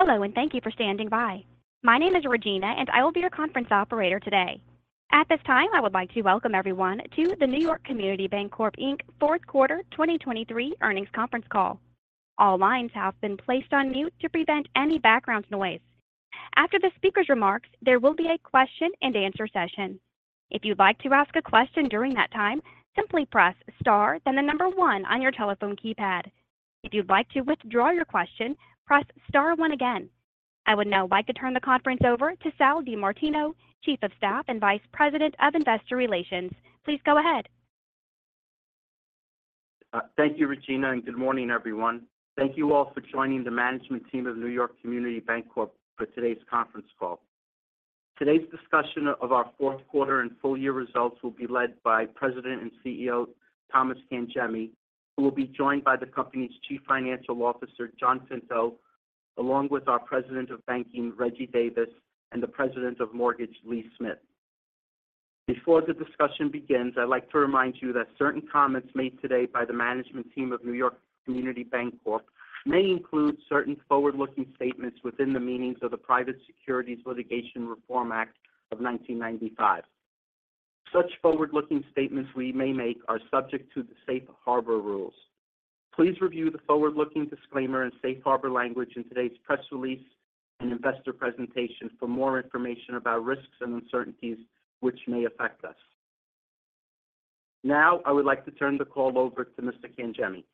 Hello, and thank you for standing by. My name is Regina, and I will be your conference operator today. At this time, I would like to welcome everyone to the New York Community Bancorp, Inc. fourth quarter 2023 earnings conference call. All lines have been placed on mute to prevent any background noise. After the speaker's remarks, there will be a question-and-answer session. If you'd like to ask a question during that time, simply press star, then the number one on your telephone keypad. If you'd like to withdraw your question, press star one again. I would now like to turn the conference over to Sal DiMartino, Chief of Staff and Vice President of Investor Relations. Please go ahead. Thank you, Regina, and good morning, everyone. Thank you all for joining the management team of New York Community Bancorp for today's conference call. Today's discussion of our fourth quarter and full year results will be led by President and CEO, Thomas Cangemi, who will be joined by the company's Chief Financial Officer, John Pinto, along with our President of Banking, Reggie Davis, and the President of Mortgage, Lee Smith. Before the discussion begins, I'd like to remind you that certain comments made today by the management team of New York Community Bancorp may include certain forward-looking statements within the meanings of the Private Securities Litigation Reform Act of 1995. Such forward-looking statements we may make are subject to the Safe Harbor rules. Please review the forward-looking disclaimer and Safe Harbor language in today's press release and investor presentation for more information about risks and uncertainties which may affect us. Now, I would like to turn the call over to Mr. Cangemi.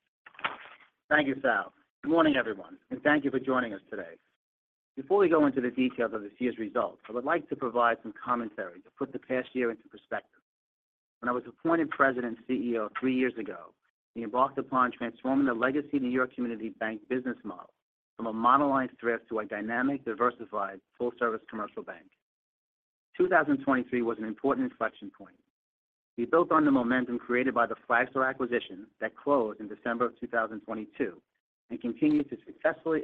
Thank you, Sal. Good morning, everyone, and thank you for joining us today. Before we go into the details of this year's results, I would like to provide some commentary to put the past year into perspective. When I was appointed President and CEO three years ago, we embarked upon transforming the legacy New York Community Bank business model from a monoline thrift to a dynamic, diversified, full-service commercial bank. 2023 was an important inflection point. We built on the momentum created by the Flagstar acquisition that closed in December 2022 and continued to successfully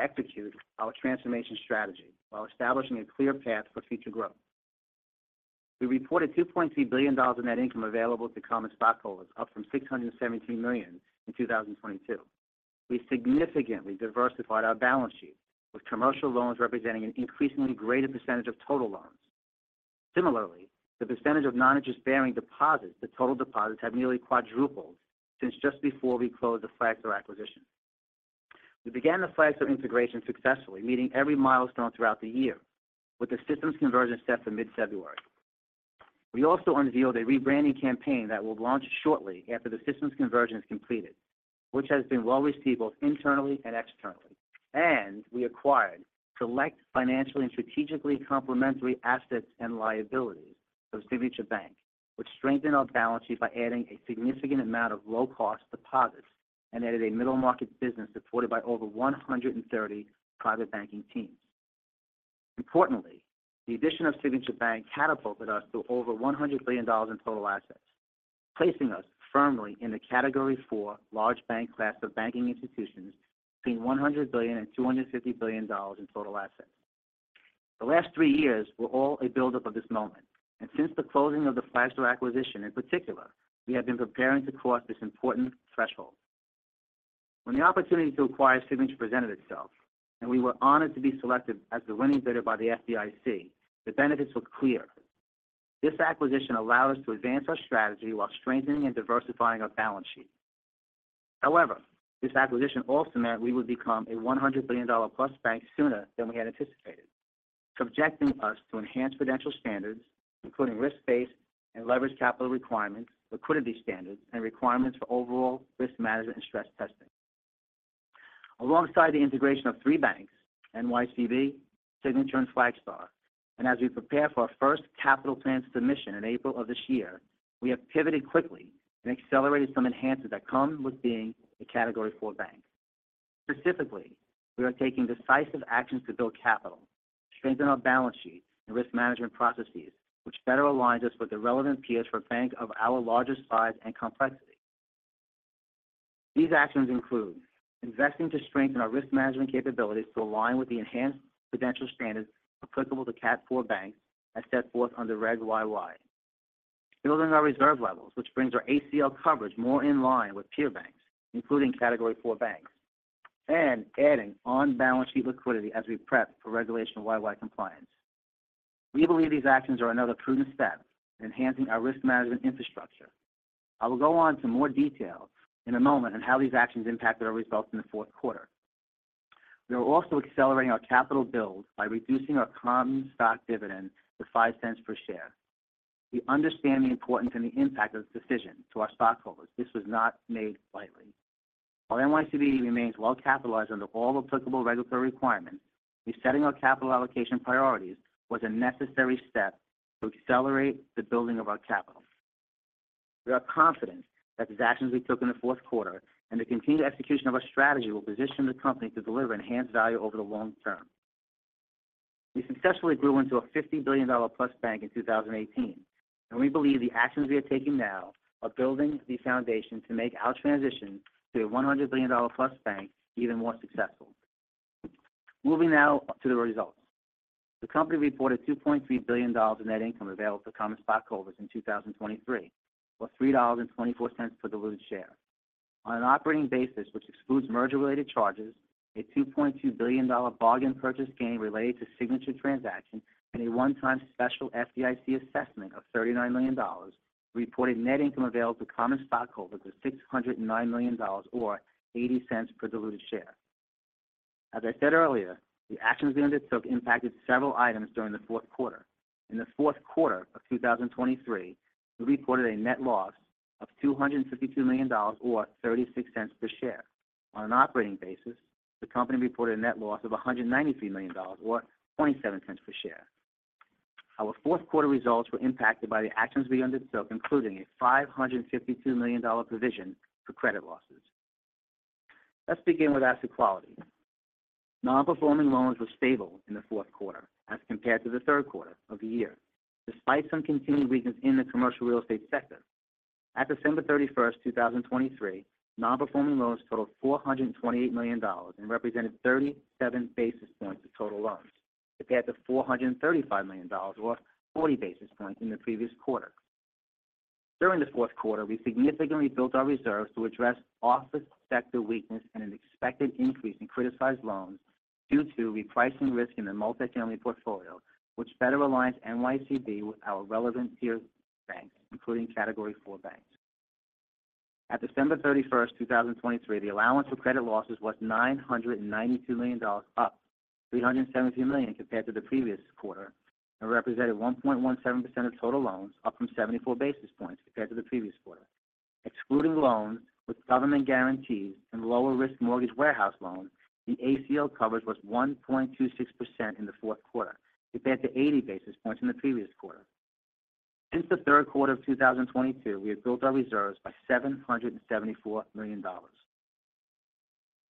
execute our transformation strategy while establishing a clear path for future growth. We reported $2.3 billion in net income available to common stockholders, up from $673 million in 2022. We significantly diversified our balance sheet, with commercial loans representing an increasingly greater percentage of total loans. Similarly, the percentage of non-interest bearing deposits to total deposits have nearly quadrupled since just before we closed the Flagstar acquisition. We began the Flagstar integration successfully, meeting every milestone throughout the year with the systems conversion set for mid-February. We also unveiled a rebranding campaign that will launch shortly after the systems conversion is completed, which has been well received both internally and externally. We acquired select financially and strategically complementary assets and liabilities of Signature Bank, which strengthened our balance sheet by adding a significant amount of low-cost deposits and added a middle-market business supported by over 130 private banking teams. Importantly, the addition of Signature Bank catapulted us to over $100 billion in total assets, placing us firmly in the Category IV large bank class of banking institutions between $100 billion and $250 billion in total assets. The last three years were all a build-up of this moment, and since the closing of the Flagstar acquisition in particular, we have been preparing to cross this important threshold. When the opportunity to acquire Signature presented itself, and we were honored to be selected as the winning bidder by the FDIC, the benefits were clear. This acquisition allowed us to advance our strategy while strengthening and diversifying our balance sheet. However, this acquisition also meant we would become a $100 billion+ bank sooner than we had anticipated, subjecting us to enhanced prudential standards, including risk-based and leverage capital requirements, liquidity standards, and requirements for overall risk management and stress testing. Alongside the integration of three banks, NYCB, Signature, and Flagstar, and as we prepare for our first capital plan submission in April of this year, we have pivoted quickly and accelerated some enhancements that come with being a Category IV bank. Specifically, we are taking decisive actions to build capital, strengthen our balance sheet and risk management processes, which better aligns us with the relevant peers for a bank of our largest size and complexity. These actions include investing to strengthen our risk management capabilities to align with the enhanced prudential standards applicable to Category IV banks as set forth under Reg YY, building our reserve levels, which brings our ACL coverage more in line with peer banks, including Category IV banks, and adding on-balance sheet liquidity as we prep for Regulation YY compliance. We believe these actions are another prudent step in enhancing our risk management infrastructure. I will go on to more detail in a moment on how these actions impacted our results in the fourth quarter. We are also accelerating our capital build by reducing our common stock dividend to $0.05 per share. We understand the importance and the impact of this decision to our stockholders. This was not made lightly. While NYCB remains well capitalized under all applicable regulatory requirements, resetting our capital allocation priorities was a necessary step to accelerate the building of our capital. We are confident that the actions we took in the fourth quarter and the continued execution of our strategy will position the company to deliver enhanced value over the long term. We successfully grew into a $50 billion+ bank in 2018, and we believe the actions we are taking now are building the foundation to make our transition to a $100 billion+ bank even more successful. Moving now to the results. The company reported $2.3 billion in net income available to common stockholders in 2023, or $3.24 per diluted share. On an operating basis, which excludes merger-related charges, a $2.2 billion bargain purchase gain related to Signature transaction and a one-time special FDIC assessment of $39 million, reported net income available to common stockholders of $609 million or $0.80 per diluted share. As I said earlier, the actions we undertook impacted several items during the fourth quarter. In the fourth quarter of 2023, we reported a net loss of $252 million or $0.36 per share. On an operating basis, the company reported a net loss of $193 million or $0.27 per share. Our fourth quarter results were impacted by the actions we undertook, including a $552 million provision for credit losses. Let's begin with asset quality. Non-performing loans were stable in the fourth quarter as compared to the third quarter of the year, despite some continued weakness in the commercial real estate sector. At December 31st, 2023, non-performing loans totaled $428 million and represented 37 basis points of total loans, compared to $435 million or 40 basis points in the previous quarter. During the fourth quarter, we significantly built our reserves to address office sector weakness and an expected increase in criticized loans due to repricing risk in the multifamily portfolio, which better aligns NYCB with our relevant peer banks, including Category IV banks. At December 31st, 2023, the allowance for credit losses was $992 million, up $373 million compared to the previous quarter, and represented 1.17% of total loans, up from 74 basis points compared to the previous quarter. Excluding loans with government guarantees and lower-risk mortgage warehouse loans, the ACL coverage was 1.26% in the fourth quarter, compared to 80 basis points in the previous quarter. Since the third quarter of 2022, we have built our reserves by $774 million.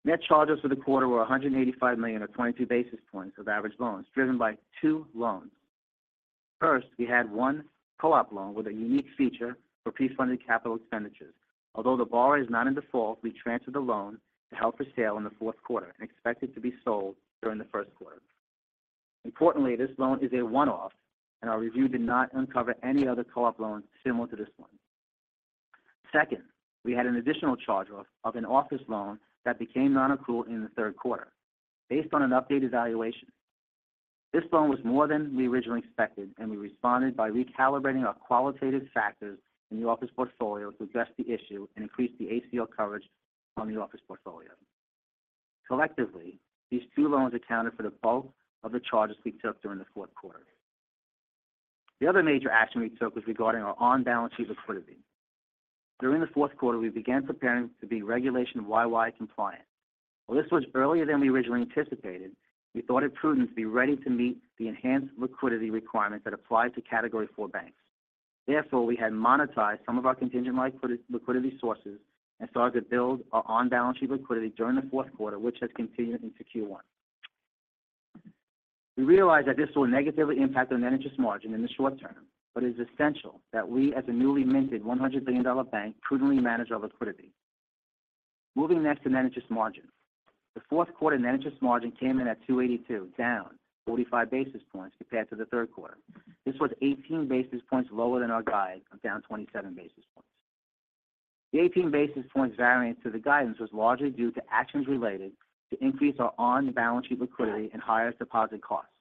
Net charges for the quarter were $185 million, or 22 basis points of average loans, driven by two loans. First, we had one co-op loan with a unique feature for pre-funded capital expenditures. Although the borrower is not in default, we transferred the loan to held for sale in the fourth quarter and expect it to be sold during the first quarter. Importantly, this loan is a one-off, and our review did not uncover any other co-op loans similar to this one. Second, we had an additional charge-off of an office loan that became non-accrual in the third quarter. Based on an updated valuation, this loan was more than we originally expected, and we responded by recalibrating our qualitative factors in the office portfolio to address the issue and increase the ACL coverage on the office portfolio. Collectively, these two loans accounted for the bulk of the charges we took during the fourth quarter. The other major action we took was regarding our on-balance sheet liquidity. During the fourth quarter, we began preparing to be Regulation YY compliant. While this was earlier than we originally anticipated, we thought it prudent to be ready to meet the enhanced liquidity requirements that apply to Category IV banks. Therefore, we had monetized some of our contingent liquidity sources and started to build our on-balance sheet liquidity during the fourth quarter, which has continued into Q1. We realize that this will negatively impact our net interest margin in the short term, but it is essential that we, as a newly minted $100 billion bank, prudently manage our liquidity. Moving next to net interest margin. The fourth quarter net interest margin came in at 2.82, down 45 basis points compared to the third quarter. This was 18 basis points lower than our guide of down 27 basis points. The 18 basis points variance to the guidance was largely due to actions related to increase our on-balance sheet liquidity and higher deposit costs.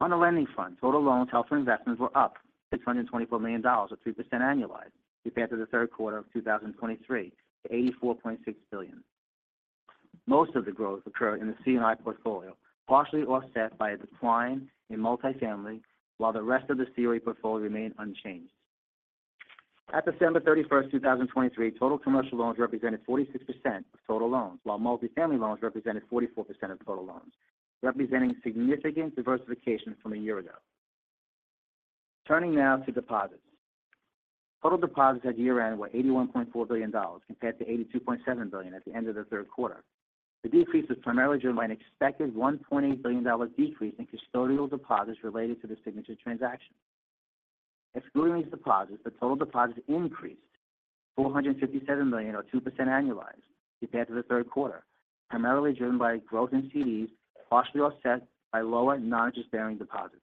On the lending front, total loans held for investment were up $624 million, or 3% annualized, compared to the third quarter of 2023 to $84.6 billion. Most of the growth occurred in the C&I portfolio, partially offset by a decline in multifamily, while the rest of the CRE portfolio remained unchanged. At December 31st, 2023, total commercial loans represented 46% of total loans, while multifamily loans represented 44% of total loans, representing significant diversification from a year ago. Turning now to deposits. Total deposits at year-end were $81.4 billion, compared to $82.7 billion at the end of the third quarter. The decrease was primarily driven by an expected $1.8 billion decrease in custodial deposits related to the Signature transaction. Excluding these deposits, the total deposits increased $457 million, or 2% annualized compared to the third quarter, primarily driven by growth in CDs, partially offset by lower non-interest-bearing deposits.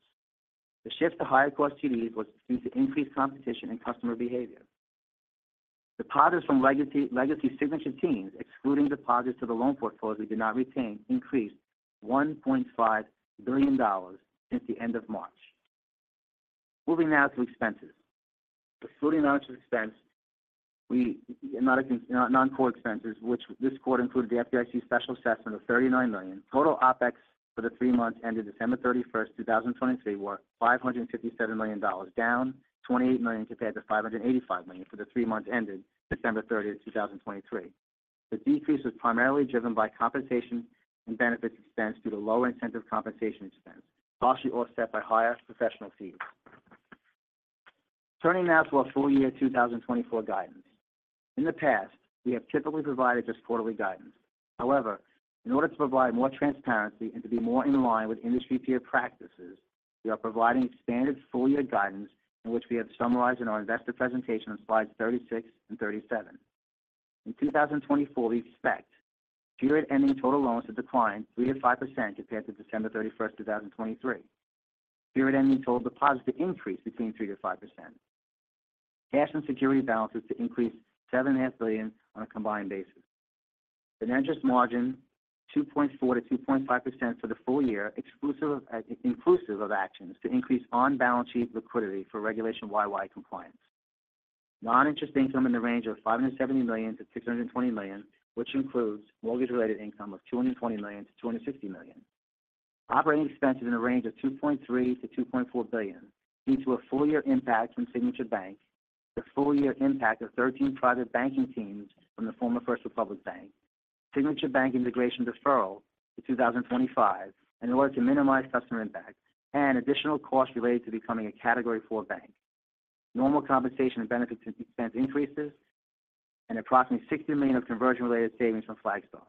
The shift to higher cost CDs was due to increased competition and customer behavior. Deposits from legacy, legacy Signature teams, excluding deposits to the loan portfolio, did not retain increased $1.5 billion since the end of March. Moving now to expenses. Excluding interest expense, we not, non-core expenses, which this quarter included the FDIC special assessment of $39 million. Total OpEx for the three months ended December 31st, 2023, were $557 million, down $28 million compared to $585 million for the three months ended December 31st, 2023. The decrease was primarily driven by compensation and benefits expense due to lower incentive compensation expense, partially offset by higher professional fees. Turning now to our full-year 2024 guidance. In the past, we have typically provided just quarterly guidance. However, in order to provide more transparency and to be more in line with industry peer practices, we are providing expanded full-year guidance in which we have summarized in our investor presentation on slides 36 and 37. In 2024, we expect period-ending total loans to decline 3%-5% compared to December 31st, 2023. Period-ending total deposits to increase between 3%-5%. Cash and security balances to increase $7.5 billion on a combined basis. The net interest margin, 2.4%-2.5% for the full year, exclusive of, inclusive of actions to increase on-balance sheet liquidity for Regulation YY compliance. Non-interest income in the range of $570 million-$620 million, which includes mortgage-related income of $220 million-$250 million. Operating expenses in the range of $2.3 billion-$2.4 billion, due to a full-year impact from Signature Bank, the full-year impact of 13 private banking teams from the former First Republic Bank, Signature Bank integration deferral to 2025 in order to minimize customer impact, and additional costs related to becoming a Category IV bank. Normal compensation and benefit expense increases and approximately $60 million of conversion-related savings from Flagstar.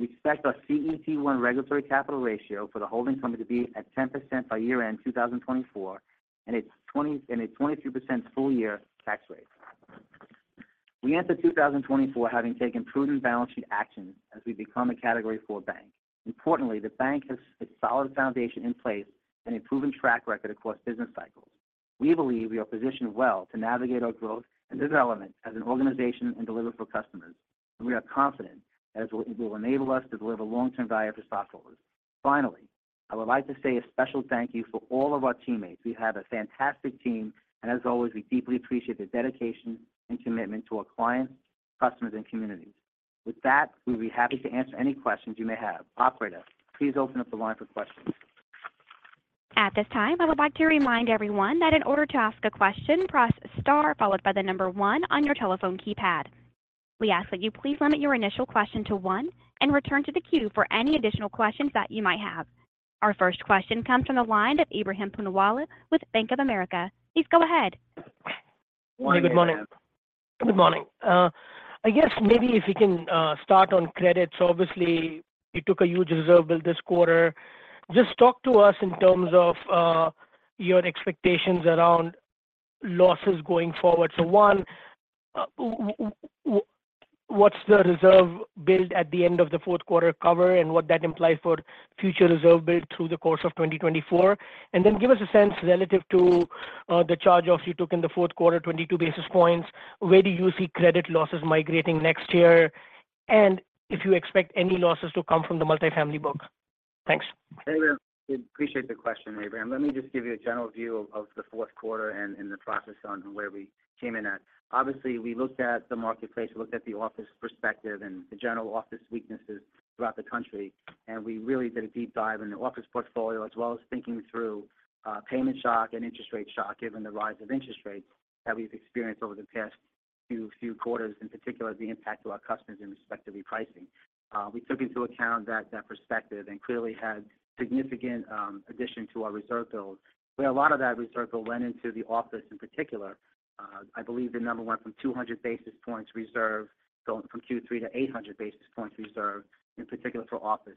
We expect our CET1 regulatory capital ratio for the holding company to be at 10% by year-end 2024, and a 20%- and a 22% full-year tax rate. We enter 2024, having taken prudent balance sheet actions as we become a Category IV bank. Importantly, the bank has a solid foundation in place and a proven track record across business cycles. We believe we are positioned well to navigate our growth and development as an organization and deliver for customers, and we are confident that it will enable us to deliver long-term value for stockholders. Finally, I would like to say a special thank you for all of our teammates. We have a fantastic team, and as always, we deeply appreciate their dedication and commitment to our clients, customers, and communities. With that, we'll be happy to answer any questions you may have. Operator, please open up the line for questions. At this time, I would like to remind everyone that in order to ask a question, press star followed by the number one on your telephone keypad. We ask that you please limit your initial question to one and return to the queue for any additional questions that you might have. Our first question comes from the line of Ebrahim Poonawala with Bank of America. Please go ahead. Good morning. Good morning. I guess maybe if you can start on credits. Obviously, you took a huge reserve build this quarter. Just talk to us in terms of your expectations around losses going forward. So one, what's the reserve build at the end of the fourth quarter cover and what that implies for future reserve build through the course of 2024? And then give us a sense relative to the charge-offs you took in the fourth quarter, 22 basis points. Where do you see credit losses migrating next year? And if you expect any losses to come from the multifamily book? Thanks. Hey, we appreciate the question, Ebrahim. Let me just give you a general view of the fourth quarter and the process on where we came in at. Obviously, we looked at the marketplace, we looked at the office perspective and the general office weaknesses throughout the country, and we really did a deep dive in the office portfolio, as well as thinking through payment shock and interest rate shock, given the rise of interest rates that we've experienced over the past few quarters, in particular, the impact to our customers in respect to repricing. We took into account that perspective and clearly had significant addition to our reserve build. But a lot of that reserve build went into the office in particular. I believe the number went from 200 basis points reserve going from Q3 to 800 basis points reserve, in particular for office.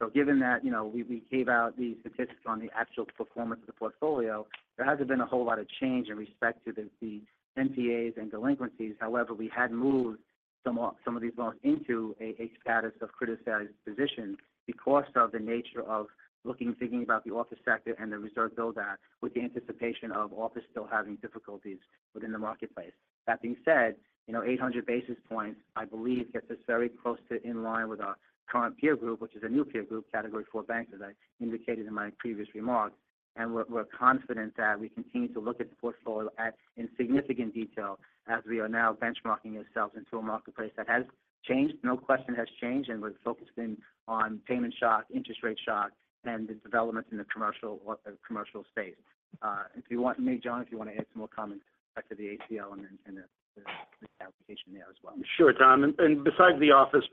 So given that, you know, we gave out the statistics on the actual performance of the portfolio, there hasn't been a whole lot of change in respect to the NPAs and delinquencies. However, we had moved some of these loans into a status of criticized position because of the nature of looking and thinking about the office sector and the reserve build that with the anticipation of office still having difficulties within the marketplace. That being said, you know, 800 basis points, I believe, gets us very close to in line with our current peer group, which is a new peer group, Category IV banks, as I indicated in my previous remarks. We're confident that we continue to look at the portfolio in significant detail as we are now benchmarking ourselves into a marketplace that has changed, no question has changed, and we're focusing on payment shock, interest rate shock, and the developments in the commercial space. If you want me, John, to add some more comments back to the ACL and the application there as well. Sure, Tom. And besides the office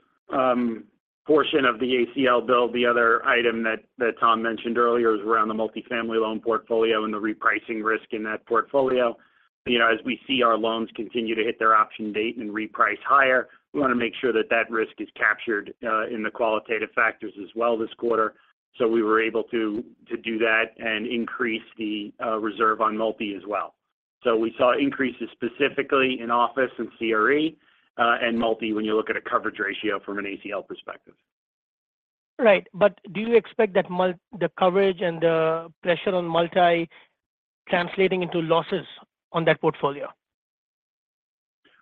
portion of the ACL build, the other item that Tom mentioned earlier is around the multifamily loan portfolio and the repricing risk in that portfolio. You know, as we see our loans continue to hit their option date and reprice higher, we want to make sure that that risk is captured in the qualitative factors as well this quarter. So we were able to do that and increase the reserve on multi as well. So we saw increases specifically in office and CRE and multi, when you look at a coverage ratio from an ACL perspective. Right. But do you expect that the coverage and the pressure on multi translating into losses on that portfolio?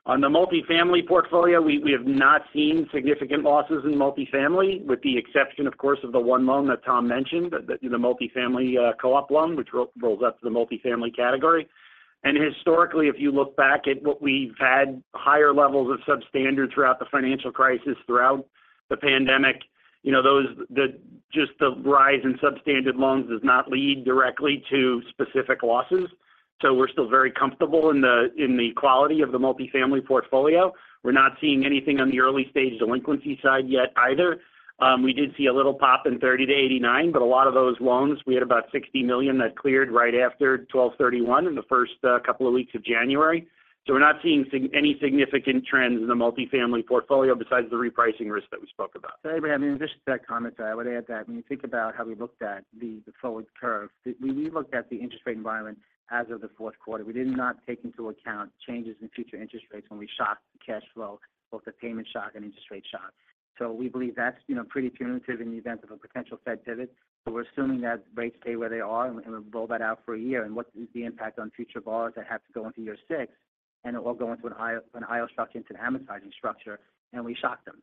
On the multifamily portfolio, we have not seen significant losses in multifamily, with the exception, of course, of the one loan that Tom mentioned, the multifamily co-op loan, which rolls up to the multifamily category. Historically, if you look back at what we've had higher levels of substandard throughout the financial crisis, throughout the pandemic, you know, those, just the rise in substandard loans does not lead directly to specific losses. So we're still very comfortable in the quality of the multifamily portfolio. We're not seeing anything on the early stage delinquency side yet either. We did see a little pop in 30-89, but a lot of those loans, we had about $60 million that cleared right after 12/31 in the first couple of weeks of January. So we're not seeing any significant trends in the multifamily portfolio besides the repricing risk that we spoke about. So Abraham, in addition to that comment, I would add that when you think about how we looked at the forward curve, we looked at the interest rate environment as of the fourth quarter. We did not take into account changes in future interest rates when we shocked the cash flow, both the payment shock and interest rate shock. So we believe that's, you know, pretty punitive in the event of a potential Fed pivot, but we're assuming that rates stay where they are and we roll that out for a year. And what is the impact on future borrowers that have to go into year six? And it will go into an IO structure into an amortizing structure, and we shock them.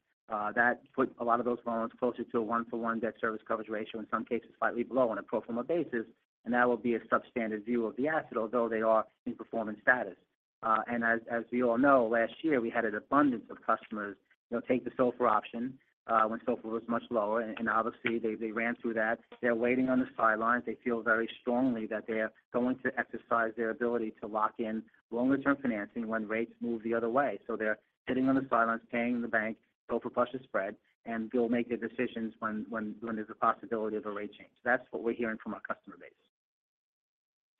That put a lot of those loans closer to a 1-for-1 debt service coverage ratio, in some cases, slightly below on a pro forma basis, and that will be a substandard view of the asset, although they are in performance status. And as we all know, last year we had an abundance of customers, you know, take the SOFR option, when SOFR was much lower, and obviously, they ran through that. They're waiting on the sidelines. They feel very strongly that they are going to exercise their ability to lock in longer-term financing when rates move the other way. So they're sitting on the sidelines, paying the bank, SOFR plus the spread, and they'll make their decisions when there's a possibility of a rate change. That's what we're hearing from our customer base.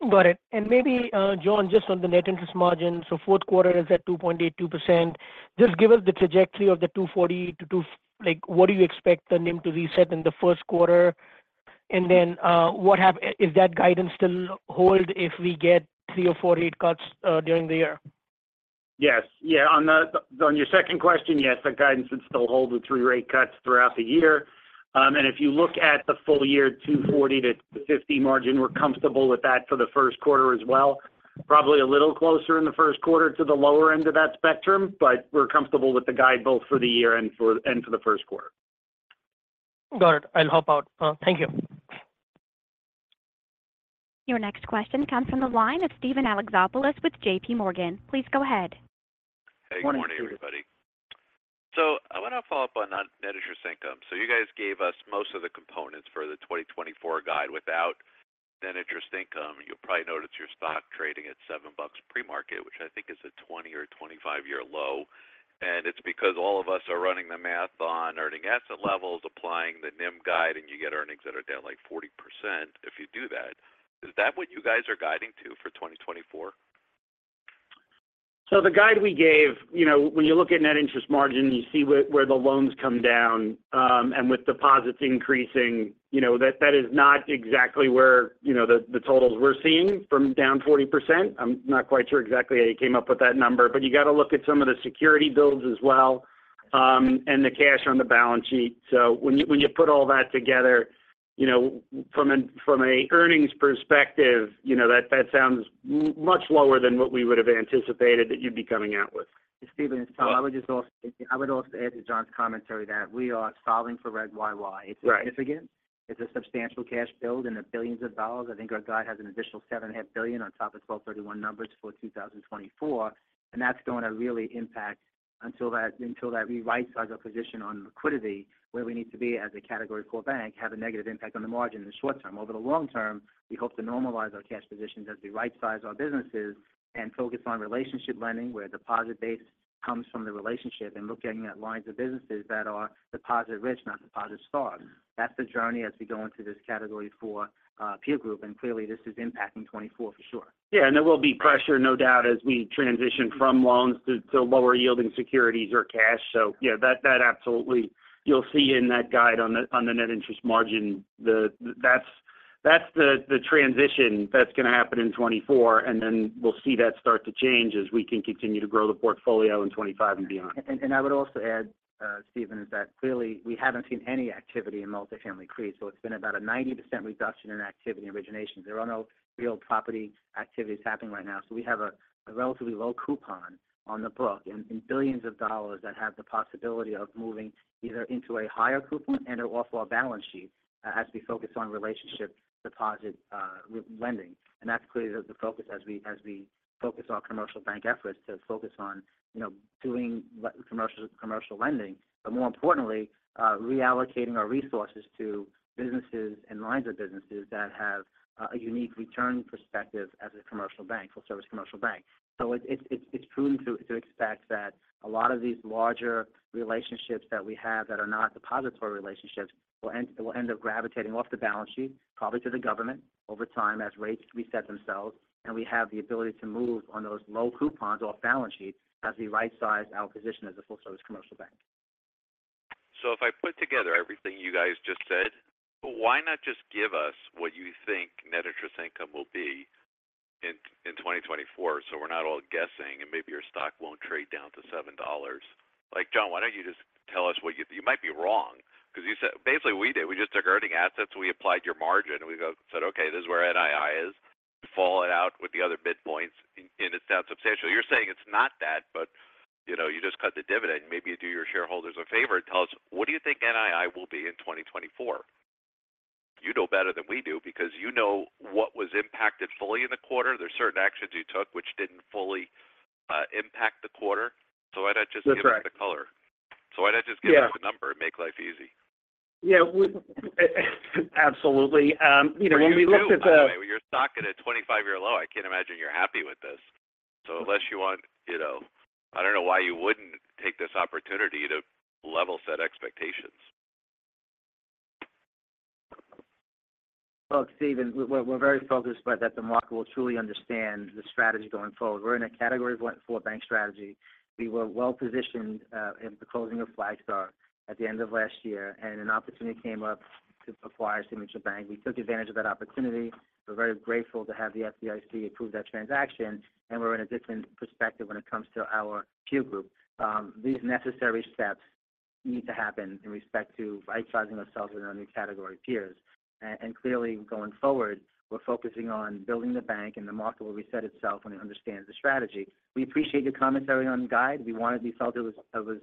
Got it. And maybe, John, just on the net interest margin. So fourth quarter is at 2.82%. Just give us the trajectory of the 2.40 to 2—like, what do you expect the NIM to reset in the first quarter? And then, is that guidance still hold if we get 3 or 4 rate cuts during the year? Yes. Yeah, on your second question, yes, that guidance would still hold with three rate cuts throughout the year. And if you look at the full year, 2.40-2.50 margin, we're comfortable with that for the first quarter as well. Probably a little closer in the first quarter to the lower end of that spectrum, but we're comfortable with the guide both for the year and for the first quarter. Got it. I'll hop out. Thank you. Your next question comes from the line of Steven Alexopoulos with JPMorgan. Please go ahead. Morning, Steven. Hey, good morning, everybody. So I want to follow up on net interest income. So you guys gave us most of the components for the 2024 guide without net interest income. You'll probably notice your stock trading at $7 pre-market, which I think is a 20- or 25-year low, and it's because all of us are running the math on earning asset levels, applying the NIM guide, and you get earnings that are down, like, 40% if you do that. Is that what you guys are guiding to for 2024? So the guide we gave, you know, when you look at net interest margin, you see where the loans come down. And with deposits increasing, you know, that is not exactly where, you know, the totals we're seeing from down 40%. I'm not quite sure exactly how you came up with that number, but you got to look at some of the security builds as well, and the cash on the balance sheet. So when you put all that together, you know, from a earnings perspective, you know, that sounds much lower than what we would have anticipated that you'd be coming out with. Steven, I would also add to John's commentary that we are solving for Reg YY. Right. It's significant. It's a substantial cash build in the billions of dollars. I think our guide has an additional $7.5 billion on top of 12/31 numbers for 2024, and that's going to really impact until that, until that rightsize, our position on liquidity, where we need to be as a Category IV bank, have a negative impact on the margin in the short term. Over the long term, we hope to normalize our cash positions as we rightsize our businesses and focus on relationship lending, where deposit base comes from the relationship, and looking at lines of businesses that are deposit rich, not deposit starved. That's the journey as we go into this Category IV peer group, and clearly, this is impacting 2024 for sure. Yeah, and there will be pressure, no doubt, as we transition from loans to lower yielding securities or cash. So yeah, that absolutely you'll see in that guide on the net interest margin. That's the transition that's going to happen in 2024, and then we'll see that start to change as we can continue to grow the portfolio in 2025 and beyond. I would also add, Steven, is that clearly we haven't seen any activity in multifamily CRE, so it's been about a 90% reduction in activity origination. There are no real property activities happening right now, so we have a relatively low coupon on the book and billions of dollars that have the possibility of moving either into a higher coupon and/or off our balance sheet as we focus on relationship deposit lending. That's clearly the focus as we focus on commercial bank efforts to focus on, you know, doing commercial lending, but more importantly, reallocating our resources to businesses and lines of businesses that have a unique return perspective as a commercial bank, full-service commercial bank. It's prudent to expect that a lot of these larger relationships that we have that are not depository relationships will end up gravitating off the balance sheet, probably to the government, over time, as rates reset themselves. We have the ability to move on those low coupons off balance sheet as we rightsize our position as a full-service commercial bank. So if I put together everything you guys just said, why not just give us what you think net interest income will be in, in 2024, so we're not all guessing, and maybe your stock won't trade down to $7? Like, John, why don't you just tell us what you... You might be wrong because you said—basically, we did, we just took earning assets, and we applied your margin, and we just said: Okay, this is where NII is. Factor it out with the other midpoints, and it sounds substantial. You're saying it's not that, but, you know, you just cut the dividend. Maybe you do your shareholders a favor and tell us, what do you think NII will be in 2024? You know better than we do because you know what was impacted fully in the quarter. There are certain actions you took which didn't fully impact the quarter. So why not just- That's right... give us the color? So why not just give- Yeah... us the number and make life easy? Yeah, absolutely. You know, when we look at the- Well, you do, by the way, your stock at a 25-year low, I can't imagine you're happy with this. So unless you want, you know... I don't know why you wouldn't take this opportunity to level set expectations. Look, Steven, we're very focused by that the market will truly understand the strategy going forward. We're in a Category IV bank strategy. We were well positioned in the closing of Flagstar at the end of last year, and an opportunity came up to acquire Signature Bank. We took advantage of that opportunity. We're very grateful to have the FDIC approve that transaction, and we're in a different perspective when it comes to our peer group. These necessary steps need to happen in respect to right-sizing ourselves with our new category peers. And clearly going forward, we're focusing on building the bank, and the market will reset itself when it understands the strategy. We appreciate your commentary on guide. We wanted we felt it was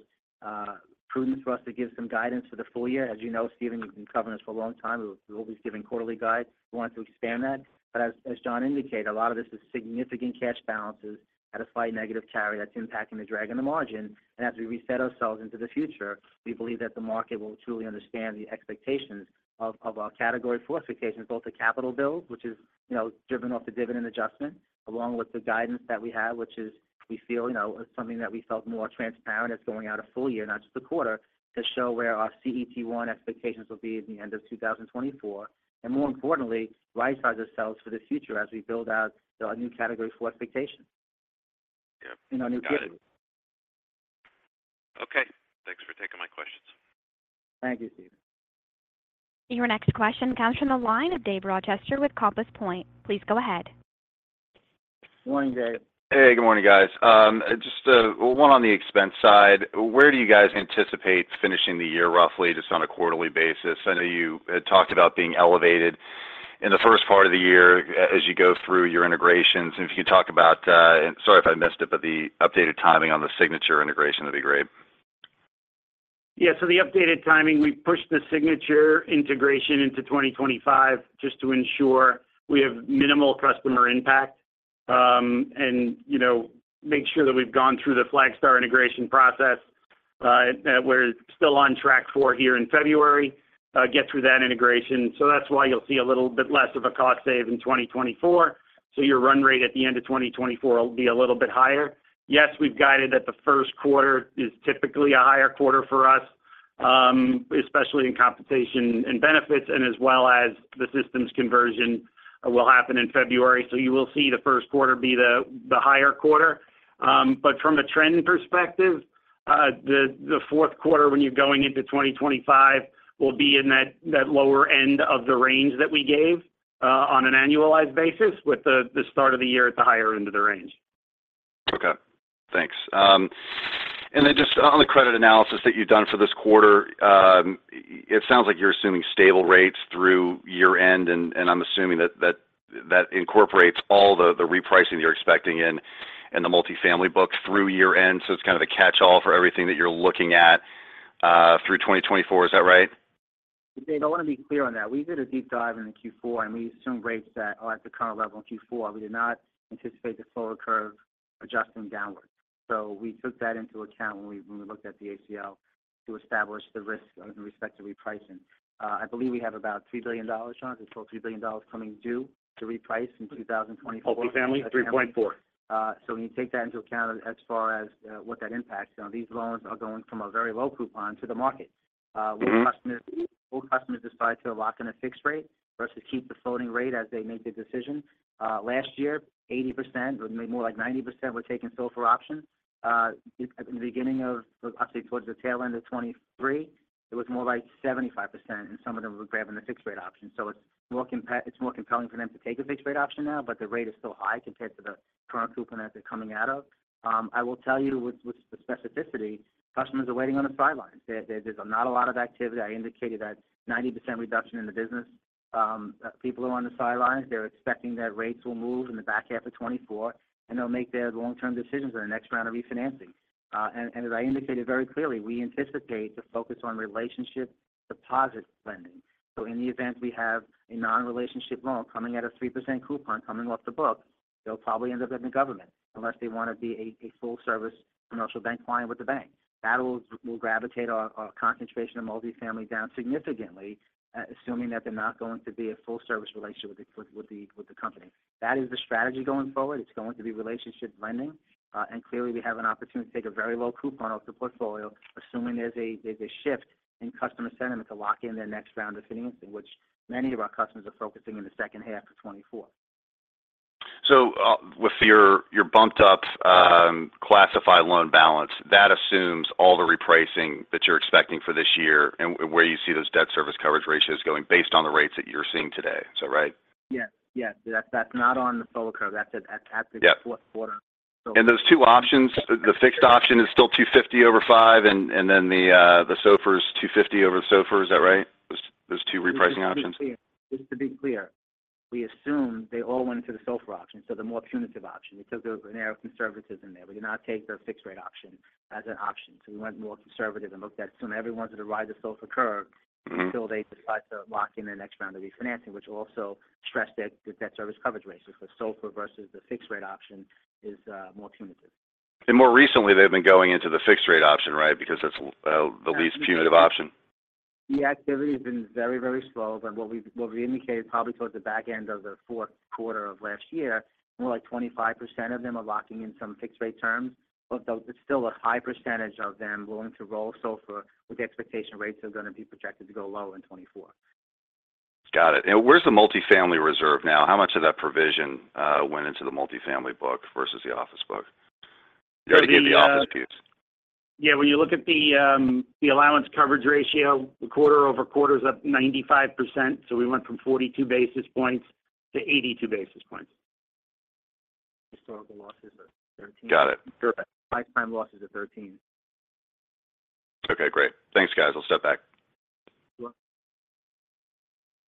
prudent for us to give some guidance for the full year. As you know, Steven, you've been covering us for a long time. We're always giving quarterly guides. We wanted to expand that. But as John indicated, a lot of this is significant cash balances at a slightly negative carry that's impacting the drag on the margin. And as we reset ourselves into the future, we believe that the market will truly understand the expectations of our Category IV expectations, both the capital build, which is, you know, driven off the dividend adjustment, along with the guidance that we have, which is we feel, you know, is something that we felt more transparent. It's going out a full year, not just a quarter, to show where our CET1 expectations will be at the end of 2024, and more importantly, right-size ourselves for the future as we build out our new Category IV expectations. Yep. In our new category. Got it. Okay, thanks for taking my questions. Thank you, Steven. Your next question comes from the line of Dave Rochester with Compass Point. Please go ahead. Morning, Dave. Hey, good morning, guys. Just, one on the expense side. Where do you guys anticipate finishing the year, roughly, just on a quarterly basis? I know you had talked about being elevated in the first part of the year as you go through your integrations. And if you could talk about, and sorry if I missed it, but the updated timing on the Signature integration that'd be great. Yeah, so the updated timing, we pushed the Signature integration into 2025 just to ensure we have minimal customer impact, and, you know, make sure that we've gone through the Flagstar integration process, that we're still on track for here in February, get through that integration. So that's why you'll see a little bit less of a cost save in 2024. So your run rate at the end of 2024 will be a little bit higher. Yes, we've guided that the first quarter is typically a higher quarter for us, especially in compensation and benefits, and as well as the systems conversion will happen in February. So you will see the first quarter be the higher quarter. From a trend perspective, the fourth quarter, when you're going into 2025, will be in that lower end of the range that we gave, on an annualized basis with the start of the year at the higher end of the range. Okay, thanks. And then just on the credit analysis that you've done for this quarter, it sounds like you're assuming stable rates through year-end, and I'm assuming that that incorporates all the repricing you're expecting in the multifamily book through year-end. So it's kind of a catch-all for everything that you're looking at through 2024. Is that right? Dave, I want to be clear on that. We did a deep dive in the Q4, and we assumed rates that are at the current level in Q4. We did not anticipate the solar curve adjusting downwards. So we took that into account when we, when we looked at the ACL to establish the risk with respect to repricing. I believe we have about $3 billion, John, it's still $3 billion coming due to reprice in 2024. Multifamily, $3.4 billion. So when you take that into account as far as what that impacts, these loans are going from a very low coupon to the market. Will customers decide to lock in a fixed rate versus keep the floating rate as they make the decision? Last year, 80%, or more like 90%, were taking SOFR option. Actually, towards the tail end of 2023, it was more like 75%, and some of them were grabbing the fixed rate option. So it's more compelling for them to take a fixed rate option now, but the rate is still high compared to the current coupon that they're coming out of. I will tell you with specificity, customers are waiting on the sidelines. There's not a lot of activity. I indicated that 90% reduction in the business. People are on the sidelines. They're expecting that rates will move in the back half of 2024, and they'll make their long-term decisions on the next round of refinancing. And as I indicated very clearly, we anticipate to focus on relationship deposit lending. So in the event we have a non-relationship loan coming at a 3% coupon coming off the book, they'll probably end up in the government unless they want to be a full-service commercial bank client with the bank. That will gravitate our concentration of multifamily down significantly, assuming that they're not going to be a full-service relationship with the company. That is the strategy going forward. It's going to be relationship lending, and clearly, we have an opportunity to take a very low coupon off the portfolio, assuming there's a shift in customer sentiment to lock in their next round of financing, which many of our customers are focusing in the second half of 2024. So, with your bumped up classified loan balance, that assumes all the repricing that you're expecting for this year and where you see those debt service coverage ratios going based on the rates that you're seeing today. Is that right? Yes, yes. That's not on the SOFR curve. That's at the- Yeah... fourth quarter. Those two options, the fixed option is still 250 over 5, and then the SOFR is 250 over SOFR. Is that right? Those two repricing options. Just to be clear, just to be clear, we assume they all went into the SOFR option, so the more punitive option, because there was an air of conservatism there. We did not take the fixed-rate option as an option. So we went more conservative and looked at assuming everyone's at a rise of SOFR curve-until they decide to lock in the next round of refinancing, which also stressed the debt service coverage ratios, because SOFR versus the fixed rate option is more punitive. More recently, they've been going into the fixed rate option, right? Because that's the least punitive option. The activity has been very, very slow, but what we indicated, probably towards the back end of the fourth quarter of last year, more like 25% of them are locking in some fixed rate terms, but there's still a high percentage of them willing to roll SOFR with the expectation rates are going to be projected to go lower in 2024. Got it. And where's the multifamily reserve now? How much of that provision went into the multifamily book versus the office book? The office piece. Yeah, when you look at the, the allowance coverage ratio, the quarter-over-quarter is up 95%. So we went from 42 basis points to 82 basis points. Historical losses are 13. Got it. Lifetime losses are 13. Okay, great. Thanks, guys. I'll step back. You're welcome.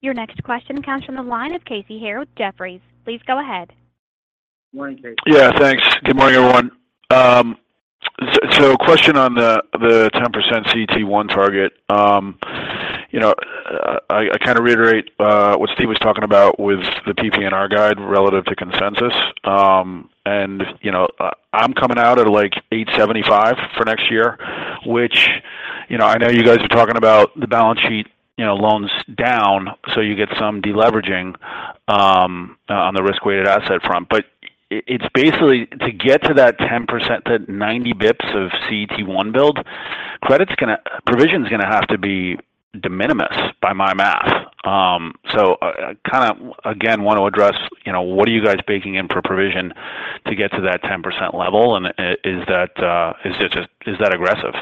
Your next question comes from the line of Casey Haire with Jefferies. Please go ahead. Morning, Casey. Yeah, thanks. Good morning, everyone. So, a question on the 10% CET1 target. You know, I kind of reiterate what Steve was talking about with the PPNR guide relative to consensus. And, you know, I'm coming out at, like, $875 million for next year, which, you know, I know you guys are talking about the balance sheet, you know, loans down, so you get some deleveraging on the risk-weighted asset front. But it's basically to get to that 10% to 90 basis points of CET1 build, provision's gonna have to be de minimis by my math. So, kind of, again, want to address, you know, what are you guys baking in for provision to get to that 10% level? And is that just-- is that aggressive?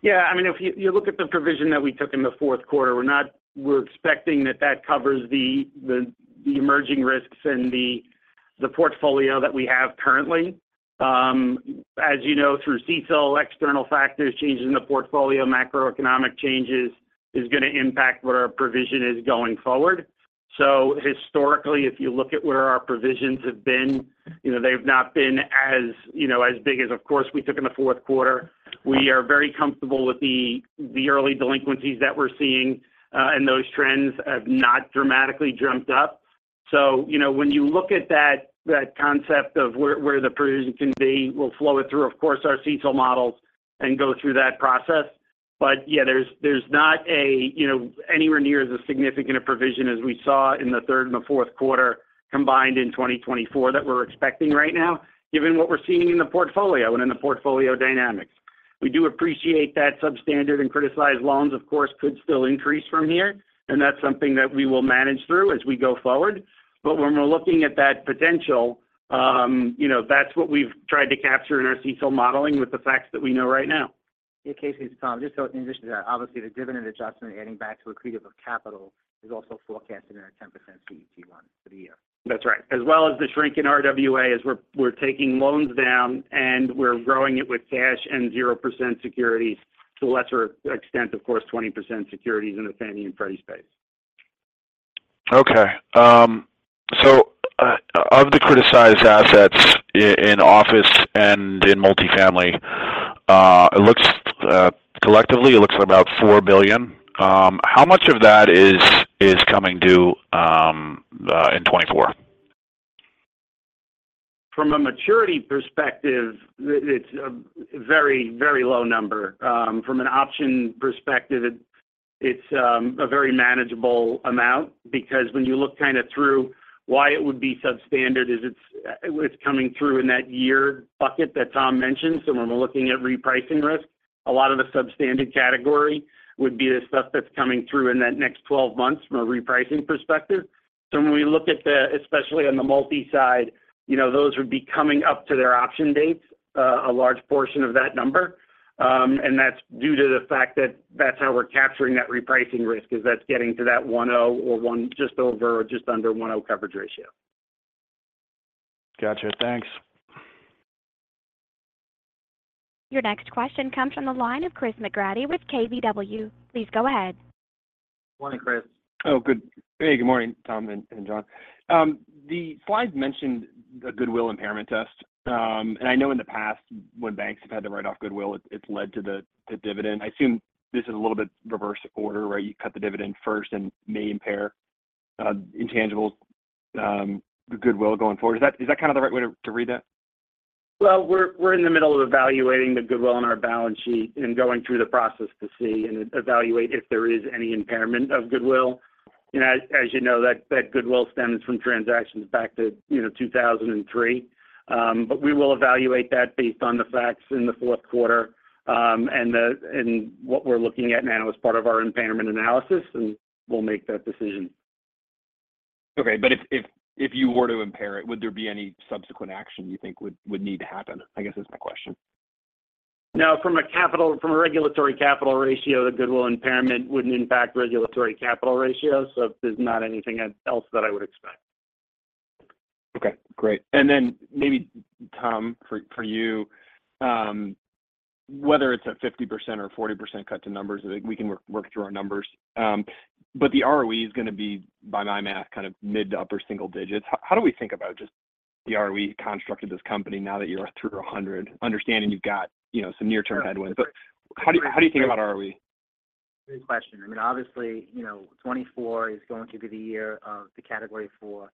Yeah. I mean, if you look at the provision that we took in the fourth quarter, we're not—we're expecting that that covers the emerging risks and the portfolio that we have currently. As you know, through CECL, external factors, changes in the portfolio, macroeconomic changes, is going to impact what our provision is going forward. So historically, if you look at where our provisions have been, you know, they've not been as, you know, as big as, of course, we took in the fourth quarter. We are very comfortable with the early delinquencies that we're seeing, and those trends have not dramatically jumped up. So, you know, when you look at that concept of where the provision can be, we'll flow it through, of course, our CECL models and go through that process. But yeah, there's not, you know, anywhere near as significant a provision as we saw in the third and the fourth quarter combined in 2024 that we're expecting right now, given what we're seeing in the portfolio and in the portfolio dynamics. We do appreciate that substandard and criticized loans, of course, could still increase from here, and that's something that we will manage through as we go forward. But when we're looking at that potential, you know, that's what we've tried to capture in our CECL modeling with the facts that we know right now. Yeah, Casey, it's Tom. Just so in addition to that, obviously, the dividend adjustment, adding back to accretive of capital is also forecasted in our 10% CET1 for the year. That's right. As well as the shrink in RWA, as we're taking loans down, and we're growing it with cash and 0% securities to a lesser extent, of course, 20% securities in the Fannie and Freddie space. Okay. So, of the criticized assets in office and in multifamily, it looks, collectively, it looks about $4 billion. How much of that is coming due in 2024? From a maturity perspective, it's a very, very low number. From an option perspective, it's a very manageable amount because when you look kind of through why it would be substandard is it's coming through in that year bucket that Tom mentioned. So when we're looking at repricing risk, a lot of the substandard category would be the stuff that's coming through in that next 12 months from a repricing perspective. So when we look at the, especially on the multi-side, you know, those would be coming up to their option dates, a large portion of that number. And that's due to the fact that that's how we're capturing that repricing risk, is that's getting to that 1.0 or one just over or just under 1.0 coverage ratio. Gotcha. Thanks. Your next question comes from the line of Chris McGratty with KBW. Please go ahead. Morning, Chris. Oh, good. Hey, good morning, Tom and John. The slides mentioned a goodwill impairment test, and I know in the past, when banks have had to write off goodwill, it's led to the dividend. I assume this is a little bit reverse order, where you cut the dividend first and may impair intangibles, the goodwill going forward. Is that kind of the right way to read that? Well, we're in the middle of evaluating the goodwill on our balance sheet and going through the process to see and evaluate if there is any impairment of goodwill. You know, as you know, that goodwill stems from transactions back to, you know, 2003. But we will evaluate that based on the facts in the fourth quarter, and what we're looking at now as part of our impairment analysis, and we'll make that decision. Okay. But if you were to impair it, would there be any subsequent action you think would need to happen? I guess is my question. No, from a regulatory capital ratio, the goodwill impairment wouldn't impact regulatory capital ratio, so there's not anything else that I would expect. Okay, great. And then maybe, Tom, for you, whether it's a 50% or 40% cut to numbers, we can work through our numbers. But the ROE is going to be, by my math, kind of mid- to upper single digits. How do we think about just the ROE construct of this company now that you're through 100? Understanding you've got, you know, some near-term headwinds, but how do you think about ROE? Good question. I mean, obviously, you know, 2024 is going to be the year of the Category IV imperatives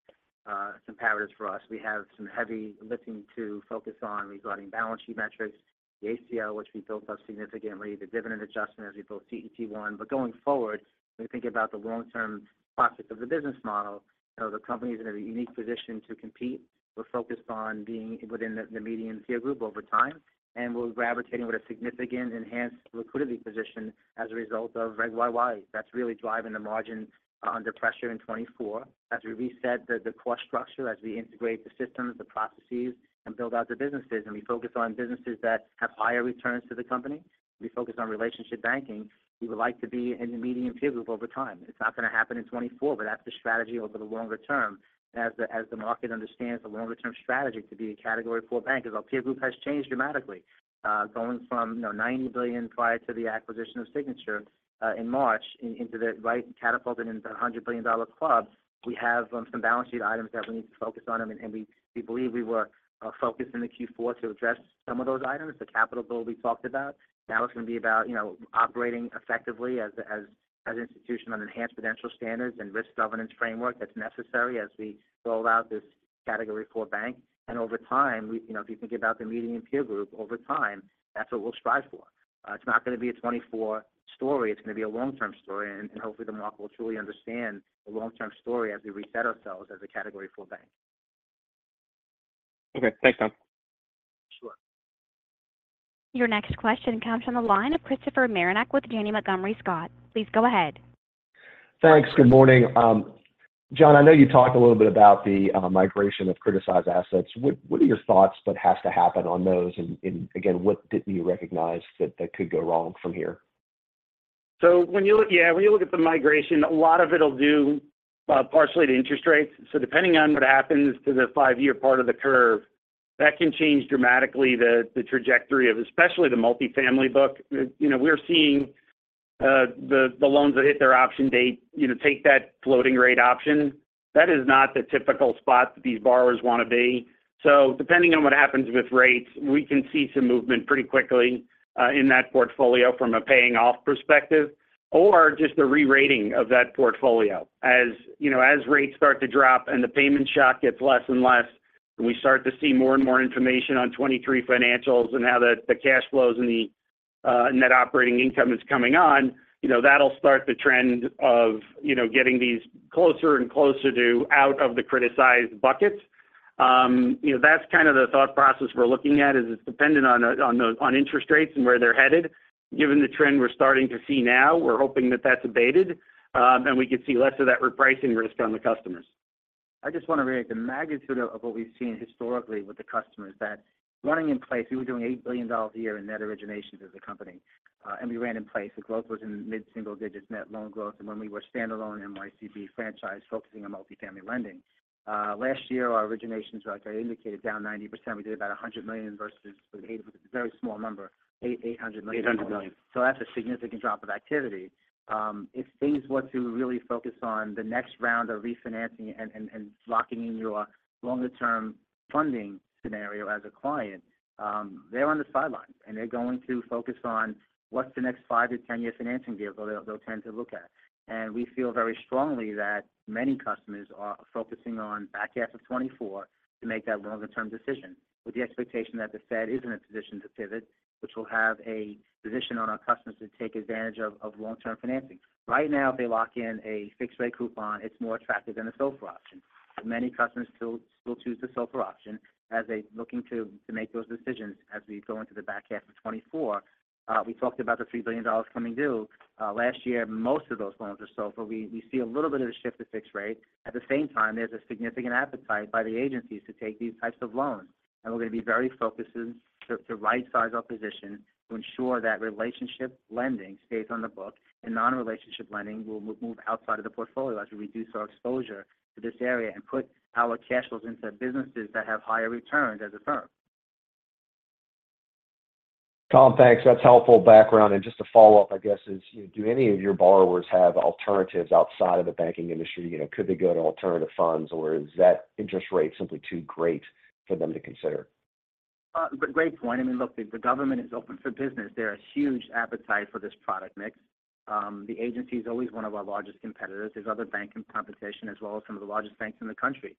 for us. We have some heavy lifting to focus on regarding balance sheet metrics, the ACL, which we built up significantly, the dividend adjustment as we build CET1. But going forward, when we think about the long-term process of the business model. You know, the company is in a unique position to compete. We're focused on being within the, the medium peer group over time, and we're gravitating with a significant enhanced liquidity position as a result of Reg YY. That's really driving the margin under pressure in 2024. As we reset the, the cost structure, as we integrate the systems, the processes, and build out the businesses, and we focus on businesses that have higher returns to the company, we focus on relationship banking. We would like to be in the medium peer group over time. It's not going to happen in 2024, but that's the strategy over the longer term. As the market understands the longer-term strategy to be a Category IV bank, our peer group has changed dramatically, you know, going from $90 billion prior to the acquisition of Signature in March into the right catapulted into the $100 billion club. We have some balance sheet items that we need to focus on, and we believe we were focused in the Q4 to address some of those items, the capital build we talked about. Now it's going to be about, you know, operating effectively as an institution on enhanced prudential standards and risk governance framework that's necessary as we roll out this Category IV bank. And over time, we—you know, if you think about the medium peer group, over time, that's what we'll strive for. It's not going to be a 24-story. It's going to be a long-term story, and, and hopefully, the market will truly understand the long-term story as we reset ourselves as a Category IV bank. Okay. Thanks, Tom. Sure. Your next question comes from the line of Christopher Marinac with Janney Montgomery Scott. Please go ahead. Thanks. Good morning. John, I know you talked a little bit about the migration of criticized assets. What are your thoughts that has to happen on those? And again, what didn't you recognize that could go wrong from here? So when you look, yeah, when you look at the migration, a lot of it will do partially to interest rates. So depending on what happens to the five-year part of the curve, that can change dramatically the trajectory of especially the multifamily book. You know, we're seeing the loans that hit their option date, you know, take that floating rate option. That is not the typical spot that these borrowers want to be. So depending on what happens with rates, we can see some movement pretty quickly in that portfolio from a paying off perspective or just the re-rating of that portfolio. You know, as rates start to drop and the payment shock gets less and less, and we start to see more and more information on 23 financials and how the cash flows and the net operating income is coming on, you know, that'll start the trend of, you know, getting these closer and closer to out of the criticized buckets. You know, that's kind of the thought process we're looking at, is it's dependent on interest rates and where they're headed. Given the trend we're starting to see now, we're hoping that that's abated, and we could see less of that repricing risk on the customers. I just want to reiterate the magnitude of what we've seen historically with the customers that running in place. We were doing $8 billion a year in net originations as a company, and we ran in place. The growth was in mid-single digits net loan growth, and when we were standalone NYCB franchise, focusing on multifamily lending. Last year, our originations, like I indicated, down 90%, we did about $100 million versus a very small number, $800 million. $800 million. So that's a significant drop of activity. If things were to really focus on the next round of refinancing and locking in your longer-term funding scenario as a client, they're on the sidelines, and they're going to focus on what's the next 5- to 10-year financing vehicle they'll tend to look at. And we feel very strongly that many customers are focusing on back half of 2024 to make that longer-term decision, with the expectation that the Fed is in a position to pivot, which will have a position on our customers to take advantage of long-term financing. Right now, if they lock in a fixed-rate coupon, it's more attractive than a SOFR option. Many customers still choose the SOFR option as they're looking to make those decisions as we go into the back half of 2024. We talked about the $3 billion coming due. Last year, most of those loans are SOFR. We see a little bit of a shift to fixed rate. At the same time, there's a significant appetite by the agencies to take these types of loans, and we're going to be very focused in to rightsize our position to ensure that relationship lending stays on the book, and non-relationship lending will move outside of the portfolio as we reduce our exposure to this area and put our cash flows into businesses that have higher returns as a firm. Tom, thanks. That's helpful background. Just a follow-up, I guess, is, do any of your borrowers have alternatives outside of the banking industry? You know, could they go to alternative funds, or is that interest rate simply too great for them to consider? Great point. I mean, look, the government is open for business. There are huge appetite for this product mix. The agency is always one of our largest competitors. There's other bank competition as well as some of the largest banks in the country.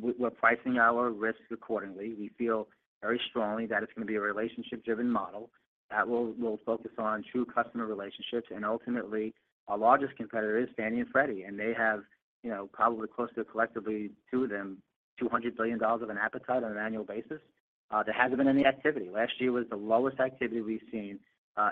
We're pricing our risk accordingly. We feel very strongly that it's going to be a relationship-driven model that will focus on true customer relationships, and ultimately, our largest competitor is Fannie and Freddie, and they have, you know, probably close to collectively two of them, $200 billion of an appetite on an annual basis. There hasn't been any activity. Last year was the lowest activity we've seen,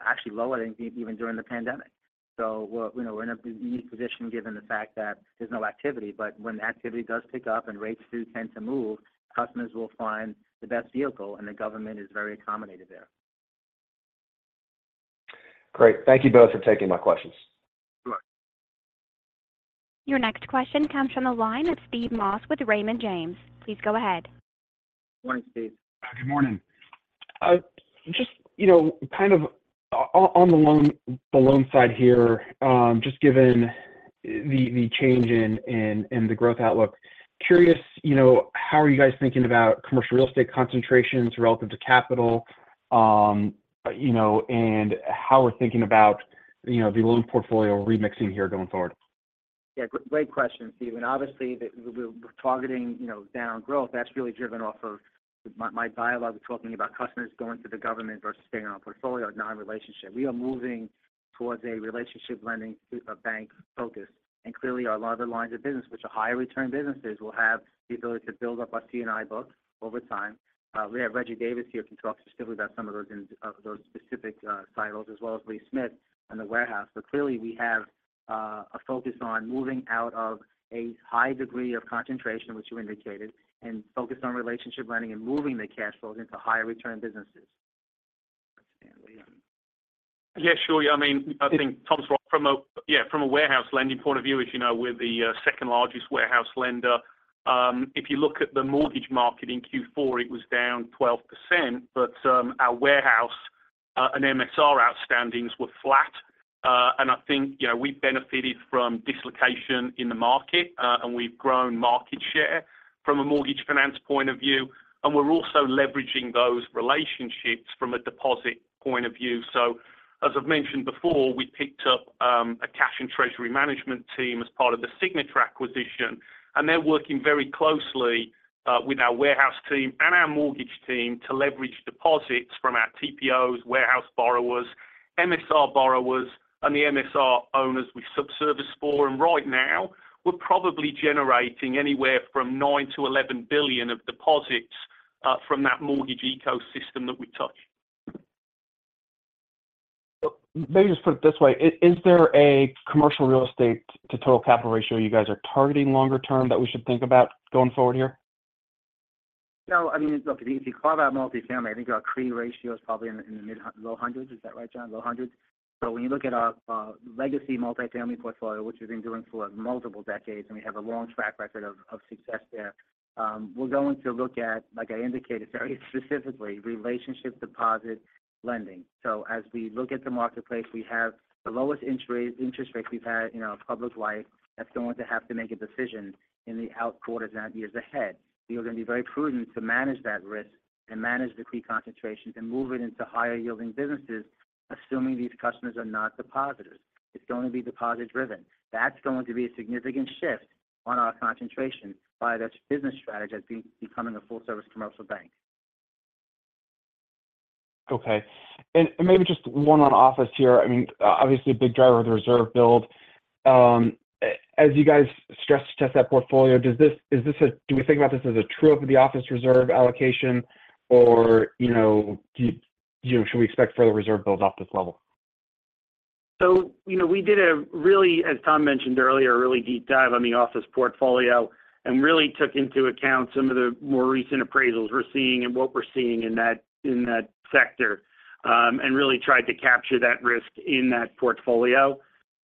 actually lower than even during the pandemic. So we're, you know, we're in a unique position given the fact that there's no activity. But when activity does pick up and rates do tend to move, customers will find the best vehicle, and the government is very accommodated there. Great. Thank you both for taking my questions. Sure. Your next question comes from the line of Steve Moss with Raymond James. Please go ahead. Morning, Steve. Good morning. Just, you know, kind of on the loan side here, just given the change in the growth outlook. Curious, you know, how are you guys thinking about commercial real estate concentrations relative to capital? You know, and how we're thinking about the loan portfolio remixing here going forward? Yeah, great question, Steve, and obviously, we're targeting, you know, down growth that's really driven off of my dialogue of talking about customers going to the government versus staying on portfolio or non-relationship. We are moving towards a relationship lending bank focus. And clearly, our other lines of business, which are higher return businesses, will have the ability to build up our C&I book over time. We have Reggie Davis here, who can talk specifically about some of those, those specific titles, as well as Lee Smith on the warehouse. But clearly, we have a focus on moving out of a high degree of concentration, which you indicated, and focused on relationship lending and moving the cash flows into higher return businesses. Yeah, sure. I mean, I think Tom's right. From a warehouse lending point of view, as you know, we're the second-largest warehouse lender. If you look at the mortgage market in Q4, it was down 12%, but our warehouse and MSR outstandings were flat. And I think, you know, we benefited from dislocation in the market, and we've grown market share from a mortgage finance point of view, and we're also leveraging those relationships from a deposit point of view. So as I've mentioned before, we picked up a cash and treasury management team as part of the Signature acquisition, and they're working very closely with our warehouse team and our mortgage team to leverage deposits from our TPOs, warehouse borrowers, MSR borrowers, and the MSR owners we subservice for. Right now, we're probably generating anywhere from $9 billion-$11 billion of deposits from that mortgage ecosystem that we touch. Well, let me just put it this way: is there a commercial real estate to total capital ratio you guys are targeting longer term that we should think about going forward here? No, I mean, look, if you, if you carve out multifamily, I think our CRE ratio is probably in the mid-low hundreds. Is that right, John? Low hundreds. So when you look at our legacy multifamily portfolio, which we've been doing for multiple decades, and we have a long track record of success there, we're going to look at, like I indicated, very specifically, relationship deposit lending. So as we look at the marketplace, we have the lowest interest rates we've had in our public life. That's going to have to make a decision in the out quarters and years ahead. We are going to be very prudent to manage that risk and manage the pre-concentration and move it into higher-yielding businesses, assuming these customers are not depositors. It's going to be deposit-driven. That's going to be a significant shift on our concentration by this business strategy as becoming a full-service commercial bank. Okay. Maybe just one on office here. I mean, obviously, a big driver of the reserve build. As you guys stress test that portfolio, does this—is this a—do we think about this as a true of the office reserve allocation, or, you know, you know, should we expect further reserve builds off this level? So, you know, we did a really, as Tom mentioned earlier, a really deep dive on the office portfolio and really took into account some of the more recent appraisals we're seeing and what we're seeing in that sector, and really tried to capture that risk in that portfolio.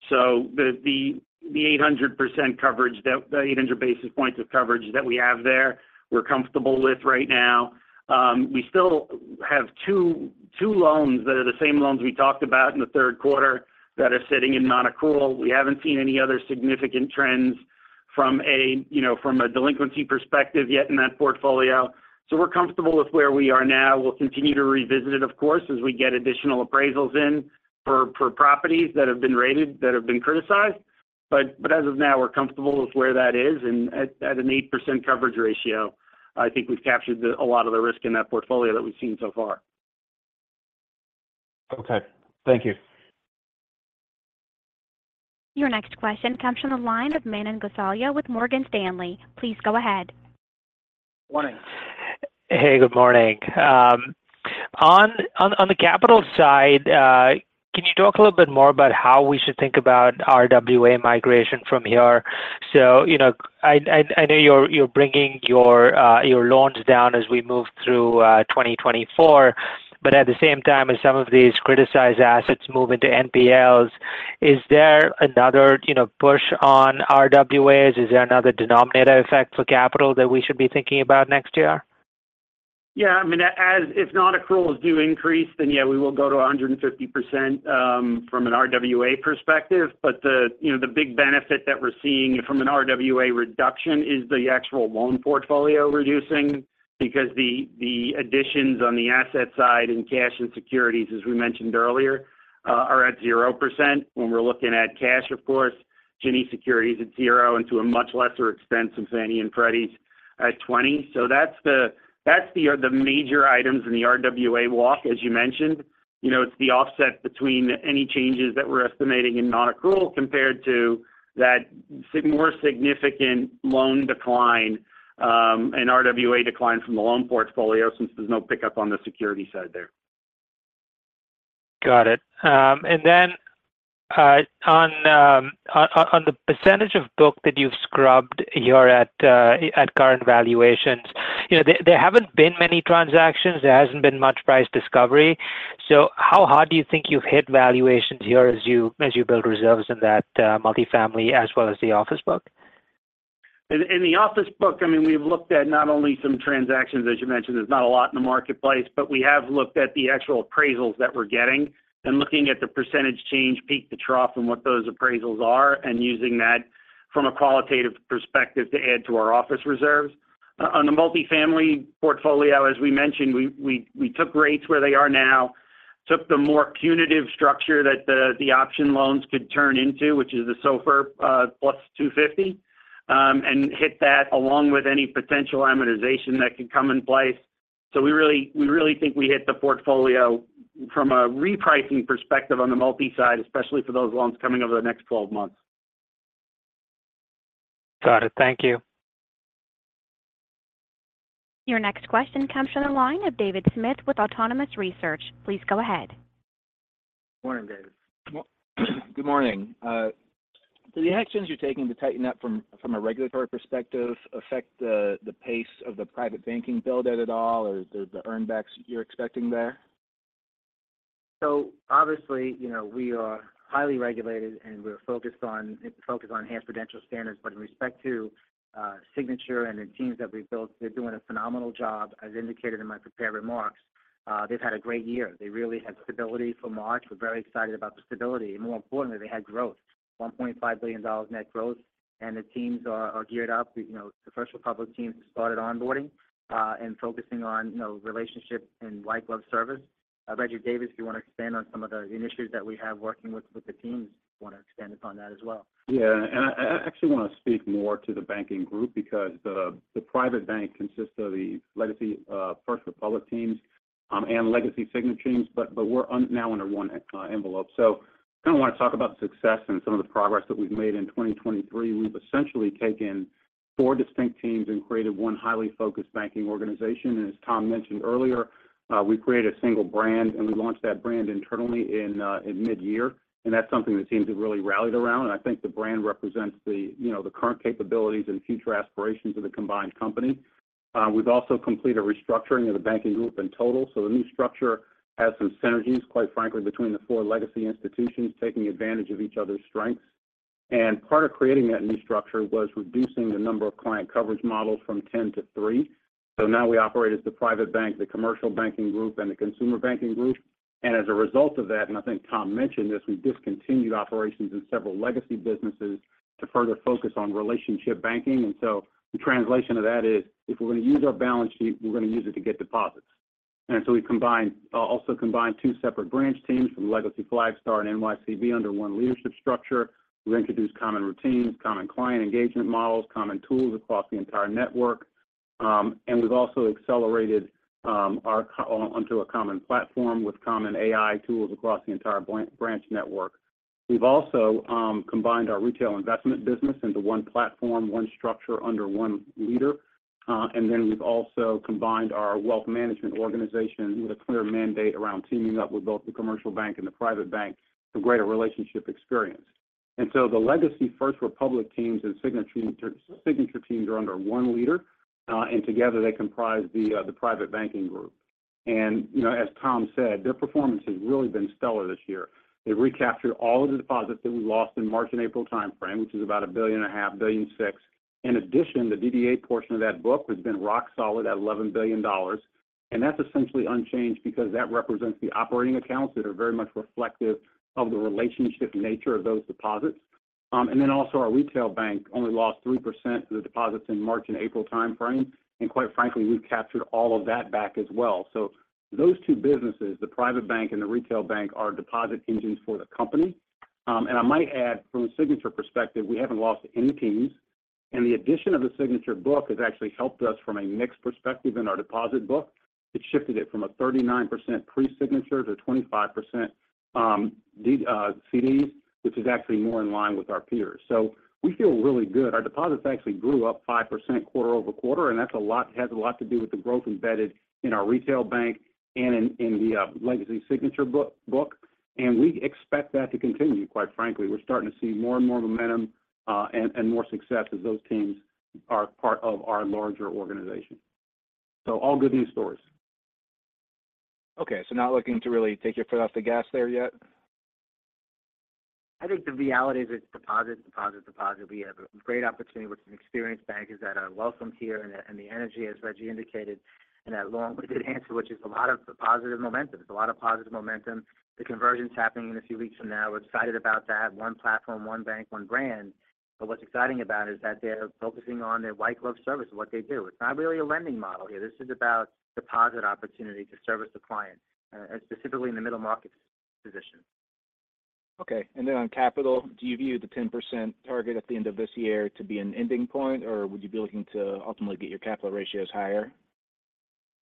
So the 800% coverage, that the 800 basis points of coverage that we have there, we're comfortable with right now. We still have two loans that are the same loans we talked about in the third quarter that are sitting in nonaccrual. We haven't seen any other significant trends, you know, from a delinquency perspective yet in that portfolio. So we're comfortable with where we are now. We'll continue to revisit it, of course, as we get additional appraisals in for properties that have been rated, that have been criticized. But as of now, we're comfortable with where that is. And at an 8% coverage ratio, I think we've captured a lot of the risk in that portfolio that we've seen so far. Okay. Thank you. Your next question comes from the line of Manan Gosalia with Morgan Stanley. Please go ahead. Morning. Hey, good morning. On the capital side, can you talk a little bit more about how we should think about RWA migration from here? So, you know, I know you're bringing your loans down as we move through 2024, but at the same time, as some of these criticized assets move into NPLs, is there another, you know, push on RWAs? Is there another denominator effect for capital that we should be thinking about next year? Yeah, I mean, as if nonaccruals do increase, then, yeah, we will go to 150%, from an RWA perspective. But the, you know, the big benefit that we're seeing from an RWA reduction is the actual loan portfolio reducing, because the, the additions on the asset side in cash and securities, as we mentioned earlier, are at 0%. When we're looking at cash, of course, Ginnie Securities at 0% and to a much lesser extent, some Fannie and Freddies at 20%. So that's the, that's the, the major items in the RWA walk, as you mentioned. You know, it's the offset between any changes that we're estimating in nonaccrual compared to that more significant loan decline, and RWA decline from the loan portfolio, since there's no pickup on the security side there. Got it. And then, on the percentage of book that you've scrubbed here at current valuations, you know, there haven't been many transactions. There hasn't been much price discovery. So how hard do you think you've hit valuations here as you build reserves in that multifamily as well as the office book? In the office book, I mean, we've looked at not only some transactions, as you mentioned. There's not a lot in the marketplace, but we have looked at the actual appraisals that we're getting and looking at the percentage change peak to trough and what those appraisals are, and using that from a qualitative perspective to add to our office reserves. On the multifamily portfolio, as we mentioned, we took rates where they are now, took the more punitive structure that the option loans could turn into, which is the SOFR plus 250, and hit that along with any potential amortization that could come in place. So we really, we really think we hit the portfolio from a repricing perspective on the multi side, especially for those loans coming over the next 12 months. Got it. Thank you. Your next question comes from the line of David Smith with Autonomous Research. Please go ahead. Morning, David. Well, good morning. Do the actions you're taking to tighten up from a regulatory perspective affect the pace of the private banking build out at all, or the earn backs you're expecting there? So obviously, you know, we are highly regulated, and we're focused on enhanced prudential standards. But in respect to Signature and the teams that we've built, they're doing a phenomenal job. As indicated in my prepared remarks, they've had a great year. They really had stability for March. We're very excited about the stability, and more importantly, they had growth, $1.5 billion net growth, and the teams are geared up. You know, the First Republic teams have started onboarding and focusing on, you know, relationship and white glove service. Reggie Davis, if you want to expand on some of the initiatives that we have working with the teams, if you want to expand upon that as well. Yeah, and I actually want to speak more to the banking group because the private bank consists of the legacy First Republic teams and legacy Signature teams, but we're now under one envelope. So I kind of want to talk about success and some of the progress that we've made in 2023. We've essentially taken 4 distinct teams and created one highly focused banking organization. And as Tom mentioned earlier, we created a single brand, and we launched that brand internally in mid-year, and that's something the teams have really rallied around. And I think the brand represents the, you know, the current capabilities and future aspirations of the combined company. We've also completed a restructuring of the banking group in total. So the new structure has some synergies, quite frankly, between the four legacy institutions, taking advantage of each other's strengths. Part of creating that new structure was reducing the number of client coverage models from 10 to 3. So now we operate as the private bank, the commercial banking group, and the consumer banking group. As a result of that, and I think Tom mentioned this, we discontinued operations in several legacy businesses to further focus on relationship banking. So the translation of that is, if we're going to use our balance sheet, we're going to use it to get deposits. So we combined... also combined two separate branch teams from legacy Flagstar and NYCB under one leadership structure. We've introduced common routines, common client engagement models, common tools across the entire network. We've also accelerated our onto a common platform with common AI tools across the entire branch network. We've also combined our retail investment business into one platform, one structure under one leader. And then we've also combined our wealth management organization with a clear mandate around teaming up with both the commercial bank and the private bank for greater relationship experience. And so the legacy First Republic teams and Signature, Signature teams are under one leader, and together they comprise the private banking group. And, you know, as Tom said, their performance has really been stellar this year. They recaptured all of the deposits that we lost in March and April timeframe, which is about $1.5 billion-$1.6 billion. In addition, the DDA portion of that book has been rock solid at $11 billion, and that's essentially unchanged because that represents the operating accounts that are very much reflective of the relationship nature of those deposits. And then also our retail bank only lost 3% of the deposits in March and April timeframe, and quite frankly, we've captured all of that back as well. So those two businesses, the private bank and the retail bank, are deposit engines for the company. And I might add, from a Signature perspective, we haven't lost any teams, and the addition of the Signature book has actually helped us from a mix perspective in our deposit book. It shifted it from a 39% pre-Signature to 25%, CDs, which is actually more in line with our peers. So we feel really good. Our deposits actually grew up 5% quarter-over-quarter, and that's a lot has a lot to do with the growth embedded in our retail bank and in the legacy Signature book, and we expect that to continue, quite frankly. We're starting to see more and more momentum and more success as those teams are part of our larger organization. So all good news stories. Okay, so not looking to really take your foot off the gas there yet? I think the reality is it's deposit, deposit, deposit. We have a great opportunity with some experienced bankers that are welcomed here, and the energy, as Reggie indicated, in that long-winded answer, which is a lot of positive momentum. There's a lot of positive momentum. The conversion's happening in a few weeks from now. We're excited about that. One platform, one bank, one brand. But what's exciting about it is that they're focusing on their white glove service and what they do. It's not really a lending model here. This is about deposit opportunity to service the client, specifically in the middle market position. Okay. And then on capital, do you view the 10% target at the end of this year to be an ending point, or would you be looking to ultimately get your capital ratios higher?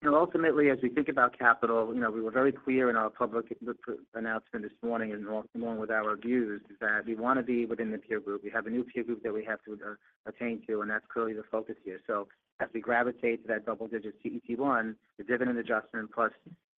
You know, ultimately, as we think about capital, you know, we were very clear in our public PR announcement this morning, and along with our views, is that we want to be within the peer group. We have a new peer group that we have to attain to, and that's clearly the focus here. So as we gravitate to that double-digit CET1, the dividend adjustment plus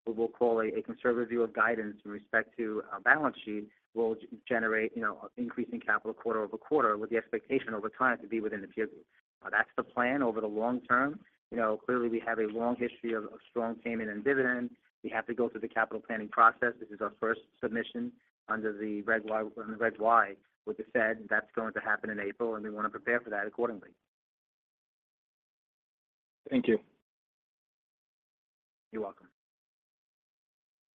what we'll call a conservative view of guidance in respect to our balance sheet, will generate, you know, increasing capital quarter over quarter, with the expectation over time to be within the peer group. That's the plan over the long term. You know, clearly, we have a long history of strong payment and dividends. We have to go through the capital planning process. This is our first submission under the Reg Y with the Fed. That's going to happen in April, and we want to prepare for that accordingly. Thank you. You're welcome.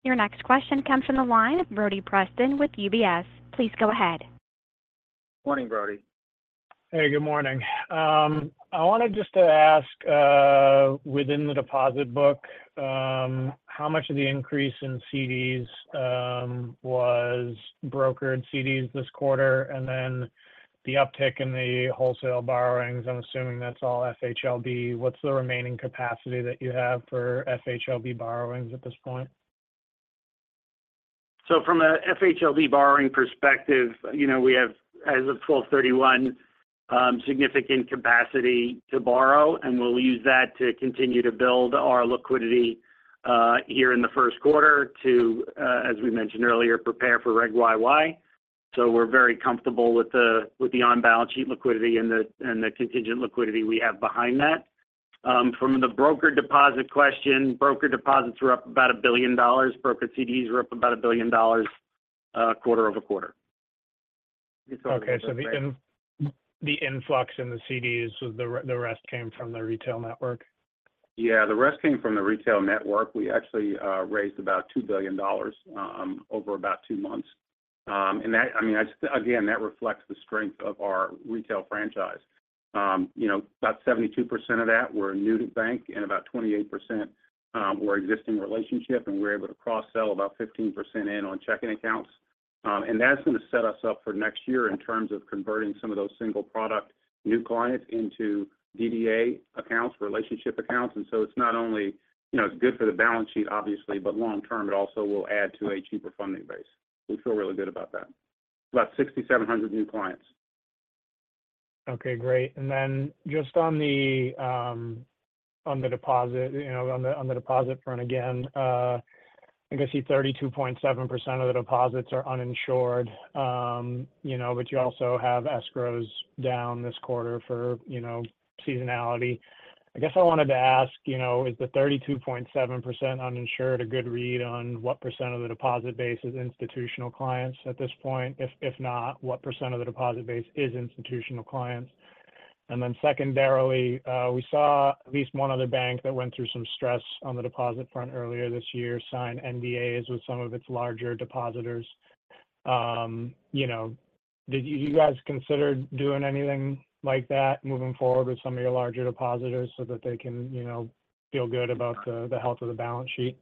Your next question comes from the line of Brody Preston with UBS. Please go ahead. Morning, Brody. Hey, good morning. I wanted just to ask, within the deposit book, how much of the increase in CDs was brokered CDs this quarter? And then the uptick in the wholesale borrowings, I'm assuming that's all FHLB. What's the remaining capacity that you have for FHLB borrowings at this point? So from a FHLB borrowing perspective, you know, we have, as of 12/31, significant capacity to borrow, and we'll use that to continue to build our liquidity here in the first quarter to, as we mentioned earlier, prepare for Reg YY. So we're very comfortable with the, with the on-balance sheet liquidity and the, and the contingent liquidity we have behind that. From the broker deposit question, brokered deposits were up about $1 billion. Brokered CDs were up about $1 billion, quarter-over-quarter. Okay. So the influx in the CDs, so the rest came from the retail network? Yeah, the rest came from the retail network. We actually raised about $2 billion over about two months. And that—I mean, that's again, that reflects the strength of our retail franchise. You know, about 72% of that were new to bank, and about 28% were existing relationship, and we're able to cross-sell about 15% in on checking accounts. And that's going to set us up for next year in terms of converting some of those single product new clients into DDA accounts, relationship accounts. And so it's not only, you know, it's good for the balance sheet, obviously, but long term, it also will add to a cheaper funding base. We feel really good about that. About 6,700 new clients. Okay, great. And then just on the deposit, you know, on the deposit front again, I guess the 32.7% of the deposits are uninsured. You know, but you also have escrows down this quarter for, you know, seasonality. I guess I wanted to ask, you know, is the 32.7% uninsured a good read on what percent of the deposit base is institutional clients at this point? If not, what percent of the deposit base is institutional clients? And then secondarily, we saw at least one other bank that went through some stress on the deposit front earlier this year sign NDAs with some of its larger depositors. You know, did you guys consider doing anything like that moving forward with some of your larger depositors so that they can, you know, feel good about the health of the balance sheet?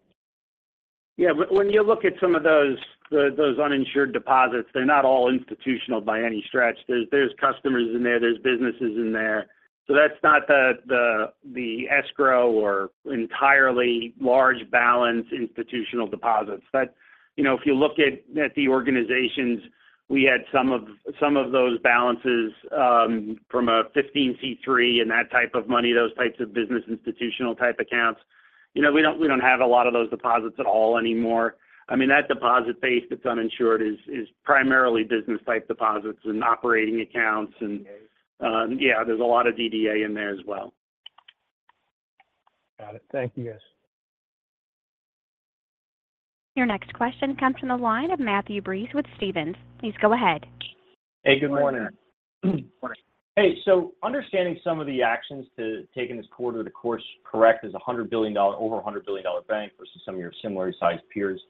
Yeah. But when you look at some of those, those uninsured deposits, they're not all institutional by any stretch. There's customers in there, there's businesses in there. So that's not the escrow or entirely large balance institutional deposits. That. You know, if you look at the organizations, we had some of those balances from a 15c3 and that type of money, those types of business, institutional type accounts. You know, we don't, we don't have a lot of those deposits at all anymore. I mean, that deposit base that's uninsured is primarily business type deposits and operating accounts. And, yeah, there's a lot of DDA in there as well. Got it. Thank you, guys. Your next question comes from the line of Matthew Breese with Stephens. Please go ahead. Hey, good morning. Morning. Hey, so understanding some of the actions to take in this quarter to course correct is a $100 billion dollar—over a $100 billion dollar bank versus some of your similarly sized peers.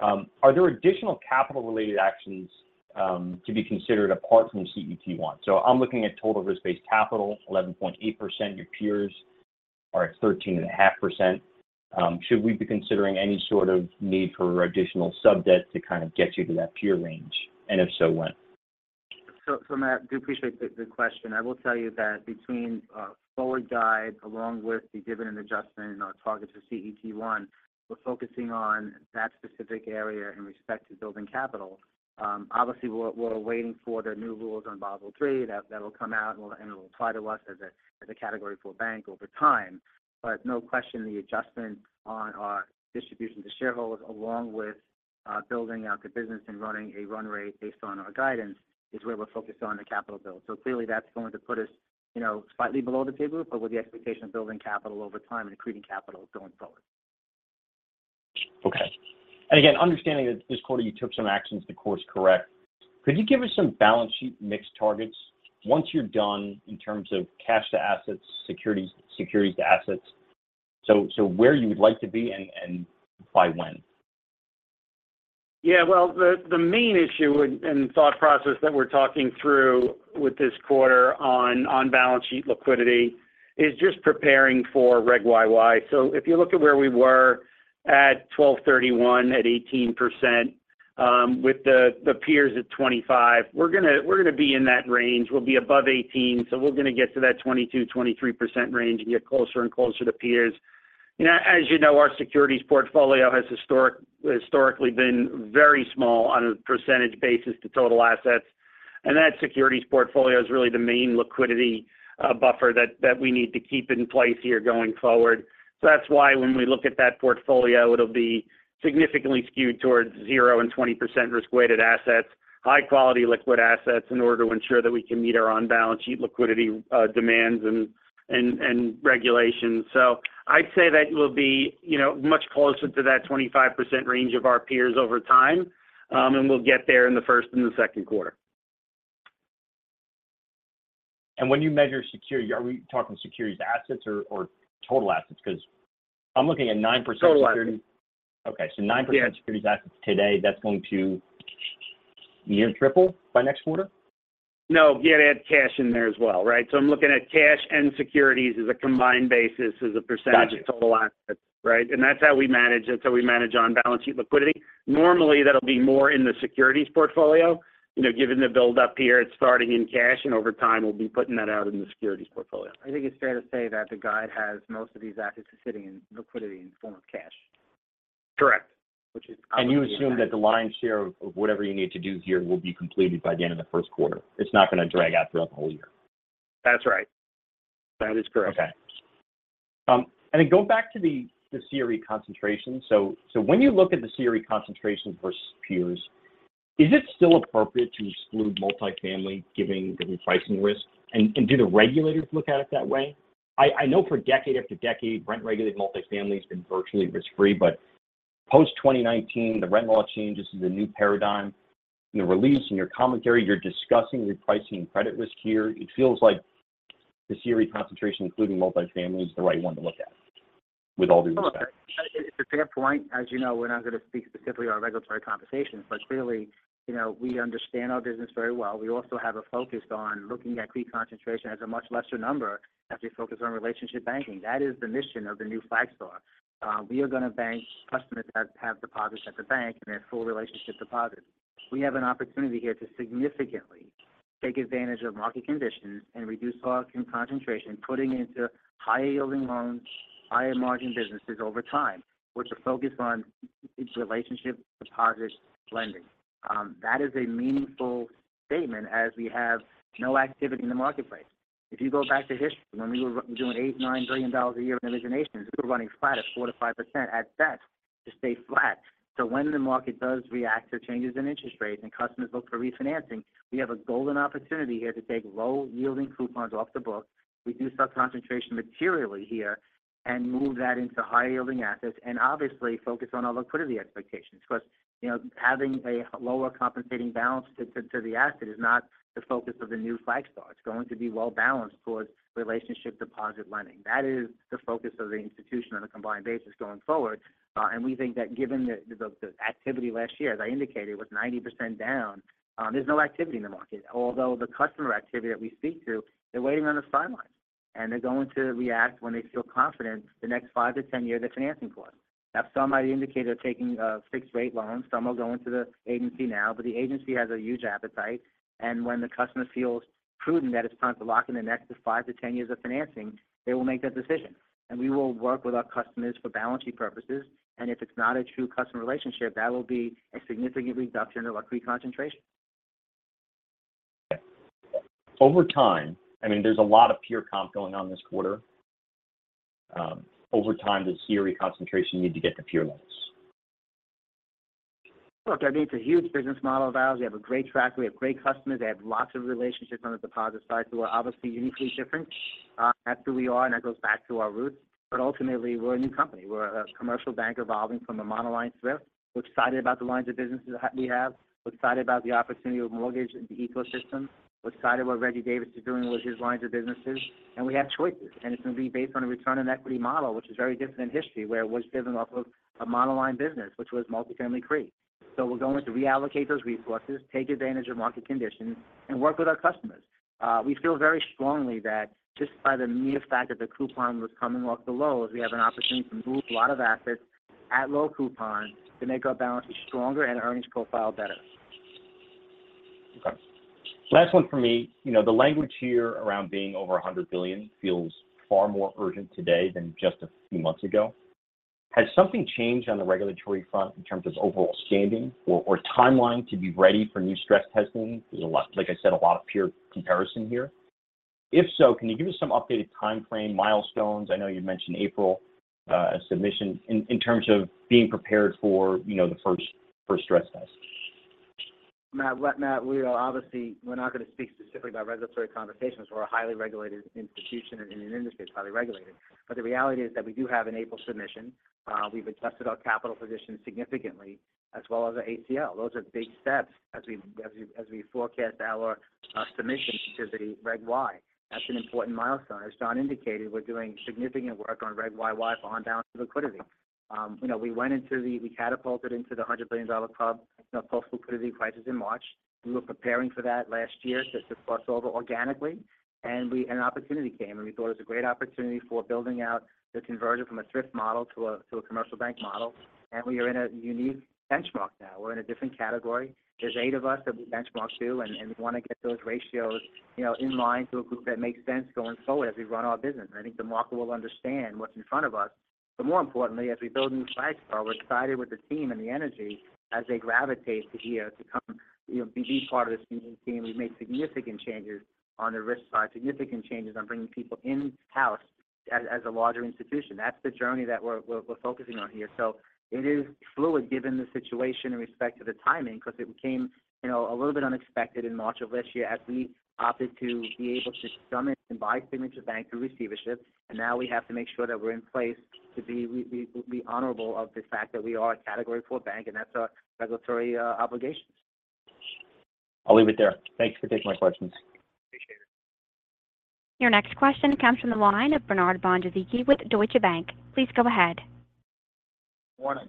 Are there additional capital-related actions to be considered apart from CET1? So I'm looking at total risk-based capital, 11.8%. Your peers are at 13.5%. Should we be considering any sort of need for additional subdebt to kind of get you to that peer range? And if so, when? So, Matt, do appreciate the question. I will tell you that between forward guide, along with the dividend adjustment and our target to CET1, we're focusing on that specific area in respect to building capital. Obviously, we're waiting for the new rules on Basel III. That'll come out, and it'll apply to us as a Category IV bank over time. But no question, the adjustment on our distribution to shareholders, along with building out the business and running a run rate based on our guidance, is where we're focused on the capital build. So clearly, that's going to put us, you know, slightly below the table, but with the expectation of building capital over time and increasing capital going forward. Okay. And again, understanding that this quarter you took some actions to course correct, could you give us some balance sheet mix targets once you're done in terms of cash to assets, securities, securities to assets? So, so where you would like to be and, and by when? Yeah, well, the main issue and thought process that we're talking through with this quarter on balance sheet liquidity is just preparing for Reg YY. So if you look at where we were at 12/31 at 18%, with the peers at 25%, we're gonna be in that range. We'll be above 18, so we're gonna get to that 22%-23% range and get closer and closer to peers. You know, as you know, our securities portfolio has historically been very small on a percentage basis to total assets, and that securities portfolio is really the main liquidity buffer that we need to keep in place here going forward. So that's why when we look at that portfolio, it'll be significantly skewed towards 0% and 20% risk-weighted assets, high quality liquid assets, in order to ensure that we can meet our on-balance sheet liquidity demands and regulations. So I'd say that we'll be, you know, much closer to that 25% range of our peers over time, and we'll get there in the first and the second quarter. When you measure security, are we talking securities assets or, or total assets? Because I'm looking at 9% security- Total assets. Okay. Yeah. So 9% securities assets today, that's going to triple by next quarter? No, you gotta add cash in there as well, right? So I'm looking at cash and securities as a combined basis as a percentage- Got you. Of total assets, right? That's how we manage it, so we manage on balance sheet liquidity. Normally, that'll be more in the securities portfolio. You know, given the build-up here, it's starting in cash, and over time, we'll be putting that out in the securities portfolio. I think it's fair to say that the guide has most of these assets sitting in liquidity in the form of cash. Correct. Which is- You assume that the lion's share of, of whatever you need to do here will be completed by the end of the first quarter. It's not going to drag out throughout the whole year. That's right. That is correct. Okay. And then go back to the CRE concentration. So when you look at the CRE concentration versus peers, is it still appropriate to exclude multifamily, given the repricing risk? And do the regulators look at it that way? I know for decade after decade, rent-regulated multifamily has been virtually risk-free, but post-2019, the rent law changes is a new paradigm. In the release, in your commentary, you're discussing repricing credit risk here. It feels like the CRE concentration, including multifamily, is the right one to look at, with all due respect. Look, it's a fair point. As you know, we're not going to speak specifically on regulatory conversations, but clearly, you know, we understand our business very well. We also have a focus on looking at CRE concentration as a much lesser number as we focus on relationship banking. That is the mission of the new Flagstar. We are going to bank customers that have deposits at the bank, and they're full relationship deposits. We have an opportunity here to significantly take advantage of market conditions and reduce our concentration, putting into higher-yielding loans, higher-margin businesses over time, with a focus on relationship, deposits, lending. That is a meaningful statement as we have no activity in the marketplace. If you go back to history, when we were doing $8 billion-$9 billion a year in originations, we were running flat at 4%-5% at best to stay flat. So when the market does react to changes in interest rates and customers look for refinancing, we have a golden opportunity here to take low-yielding coupons off the book, reduce our concentration materially here, and move that into higher-yielding assets, and obviously focus on our liquidity expectations. Because, you know, having a lower compensating balance to the asset is not the focus of the new Flagstar. It's going to be well-balanced towards relationship deposit lending. That is the focus of the institution on a combined basis going forward. And we think that given the activity last year, as I indicated, was 90% down, there's no activity in the market. Although the customer activity that we speak to, they're waiting on the sidelines, and they're going to react when they feel confident the next 5-10 years of financing for them. Now, some might indicate they're taking fixed rate loans. Some are going to the agency now, but the agency has a huge appetite, and when the customer feels prudent that it's time to lock in the next 5-10 years of financing, they will make that decision. And we will work with our customers for balance sheet purposes, and if it's not a true customer relationship, that will be a significant reduction in our CRE concentration. Over time, I mean, there's a lot of peer comp going on this quarter. Over time, does CRE concentration need to get to peer levels? Look, I mean, it's a huge business model of ours. We have a great track. We have great customers. They have lots of relationships on the deposit side, so we're obviously uniquely different. That's who we are, and that goes back to our roots. But ultimately, we're a new company. We're a commercial bank evolving from a monoline thrift. We're excited about the lines of businesses that we have. We're excited about the opportunity with mortgage and the ecosystem. We're excited what Reggie Davis is doing with his lines of businesses, and we have choices, and it's going to be based on a return on equity model, which is very different in history, where it was driven off of a monoline business, which was multifamily CRE. So we're going to reallocate those resources, take advantage of market conditions, and work with our customers. We feel very strongly that just by the mere fact that the coupon was coming off the lows, we have an opportunity to move a lot of assets at low coupon to make our balance sheet stronger and earnings profile better. Okay. Last one for me. You know, the language here around being over $100 billion feels far more urgent today than just a few months ago. Has something changed on the regulatory front in terms of overall standing or, or timeline to be ready for new stress testing? There's a lot, like I said, a lot of peer comparison here. If so, can you give us some updated timeframe, milestones? I know you'd mentioned April submission in terms of being prepared for, you know, the first, first stress test. Matt, Matt, we are obviously, we're not going to speak specifically about regulatory conversations. We're a highly regulated institution, and in an industry that's highly regulated. But the reality is that we do have an April submission. We've adjusted our capital position significantly, as well as our ACL. Those are big steps as we forecast our submission to the Reg Y. That's an important milestone. As John indicated, we're doing significant work on Reg YY on balance sheet liquidity. You know, we went into the, we catapulted into the $100 billion club post-liquidity crisis in March. We were preparing for that last year to cross over organically, and we, an opportunity came, and we thought it was a great opportunity for building out the conversion from a thrift model to a commercial bank model. We are in a unique benchmark now. We're in a different category. There's eight of us that we benchmark to, and we want to get those ratios, you know, in line to a group that makes sense going forward as we run our business. I think the market will understand what's in front of us. But more importantly, as we build new Flagstar, we're excited with the team and the energy as they gravitate to here to come, you know, be part of this new team. We've made significant changes on the risk side, significant changes on bringing people in-house as a larger institution. That's the journey that we're focusing on here. It is fluid given the situation in respect to the timing, because it came, you know, a little bit unexpected in March of last year as we opted to be able to assume and buy Signature Bank through receivership, and now we have to make sure that we're in place to be honorable of the fact that we are a Category IV bank, and that's our regulatory obligation. I'll leave it there. Thanks for taking my questions. Your next question comes from the line of Bernard von Gizycki with Deutsche Bank. Please go ahead. Morning.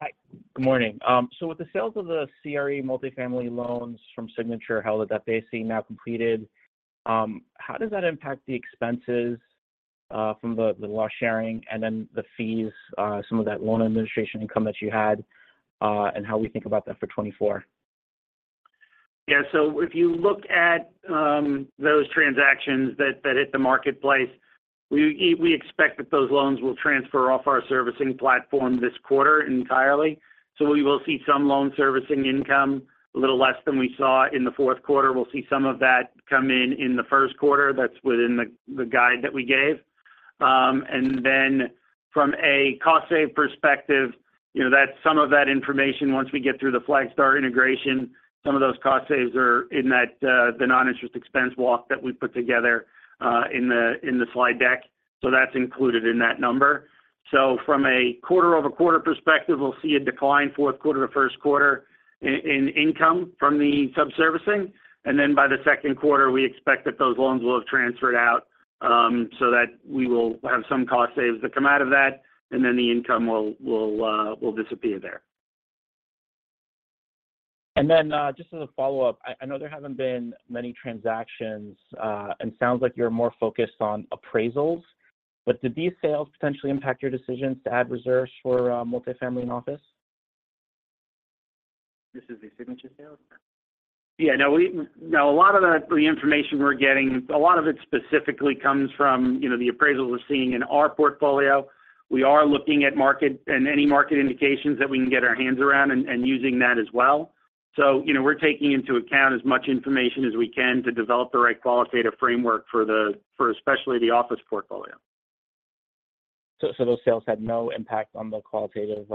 Hi, good morning. So with the sales of the CRE multifamily loans from Signature, how is that they see now completed? How does that impact the expenses, from the loss sharing and then the fees, some of that loan administration income that you had, and how we think about that for 2024? Yeah. So if you look at those transactions that hit the marketplace, we expect that those loans will transfer off our servicing platform this quarter entirely. So we will see some loan servicing income, a little less than we saw in the fourth quarter. We'll see some of that come in in the first quarter. That's within the guide that we gave. And then from a cost save perspective, you know, that some of that information, once we get through the Flagstar integration, some of those cost saves are in that the non-interest expense walk that we put together in the slide deck. So that's included in that number. So from a quarter-over-quarter perspective, we'll see a decline fourth quarter to first quarter in income from the sub-servicing. And then by the second quarter, we expect that those loans will have transferred out, so that we will have some cost saves that come out of that, and then the income will disappear there. And then, just as a follow-up, I know there haven't been many transactions, and sounds like you're more focused on appraisals, but did these sales potentially impact your decisions to add reserves for multifamily and office? This is the Signature sales? Yeah, no, a lot of the information we're getting, a lot of it specifically comes from, you know, the appraisals we're seeing in our portfolio. We are looking at market and any market indications that we can get our hands around and using that as well. So, you know, we're taking into account as much information as we can to develop the right qualitative framework for especially the office portfolio. So, so those sales had no impact on the qualitative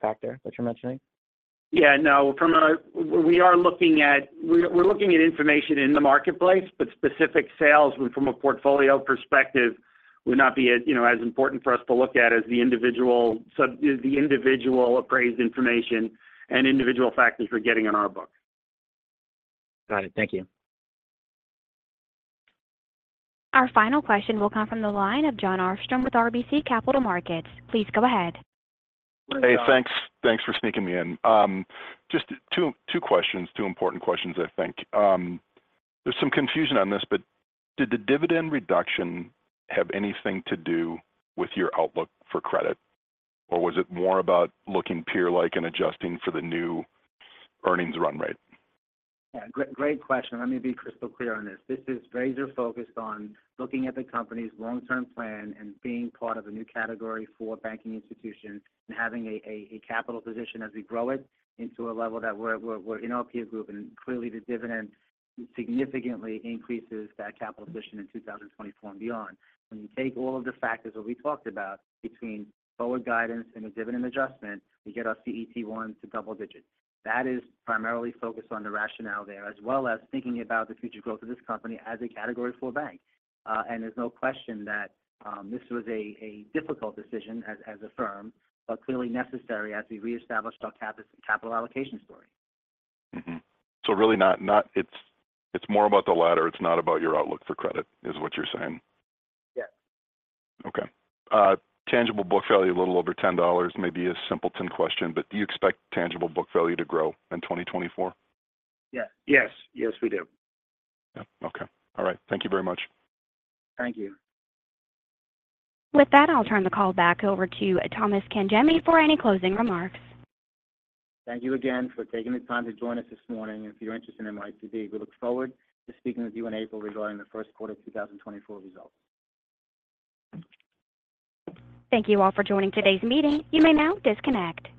factor that you're mentioning? Yeah, no. From a we are looking at... We're looking at information in the marketplace, but specific sales from a portfolio perspective would not be as, you know, as important for us to look at as the individual appraised information and individual factors we're getting in our books. Got it. Thank you. Our final question will come from the line of Jon Arfstrom with RBC Capital Markets. Please go ahead. Hey, thanks, thanks for sneaking me in. Just two questions. Two important questions, I think. There's some confusion on this, but did the dividend reduction have anything to do with your outlook for credit, or was it more about looking peer-like and adjusting for the new earnings run rate? Yeah, great, great question. Let me be crystal clear on this. This is razor-focused on looking at the company's long-term plan and being part of a new category for banking institutions and having a capital position as we grow it into a level that we're in our peer group. And clearly, the dividend significantly increases that capital position in 2024 and beyond. When you take all of the factors that we talked about between forward guidance and a dividend adjustment, we get our CET1 to double digits. That is primarily focused on the rationale there, as well as thinking about the future growth of this company as Category IV bank. And there's no question that this was a difficult decision as a firm, but clearly necessary as we reestablished our capital allocation story. So really not, it's more about the latter. It's not about your outlook for credit, is what you're saying? Yes. Okay. Tangible book value, a little over $10, may be a simpleton question, but do you expect tangible book value to grow in 2024? Yeah. Yes. Yes, we do. Yeah. Okay. All right. Thank you very much. Thank you. With that, I'll turn the call back over to Thomas Cangemi for any closing remarks. Thank you again for taking the time to join us this morning. If you're interested in NYCB, we look forward to speaking with you in April regarding the first quarter 2024 results. Thank you all for joining today's meeting. You may now disconnect.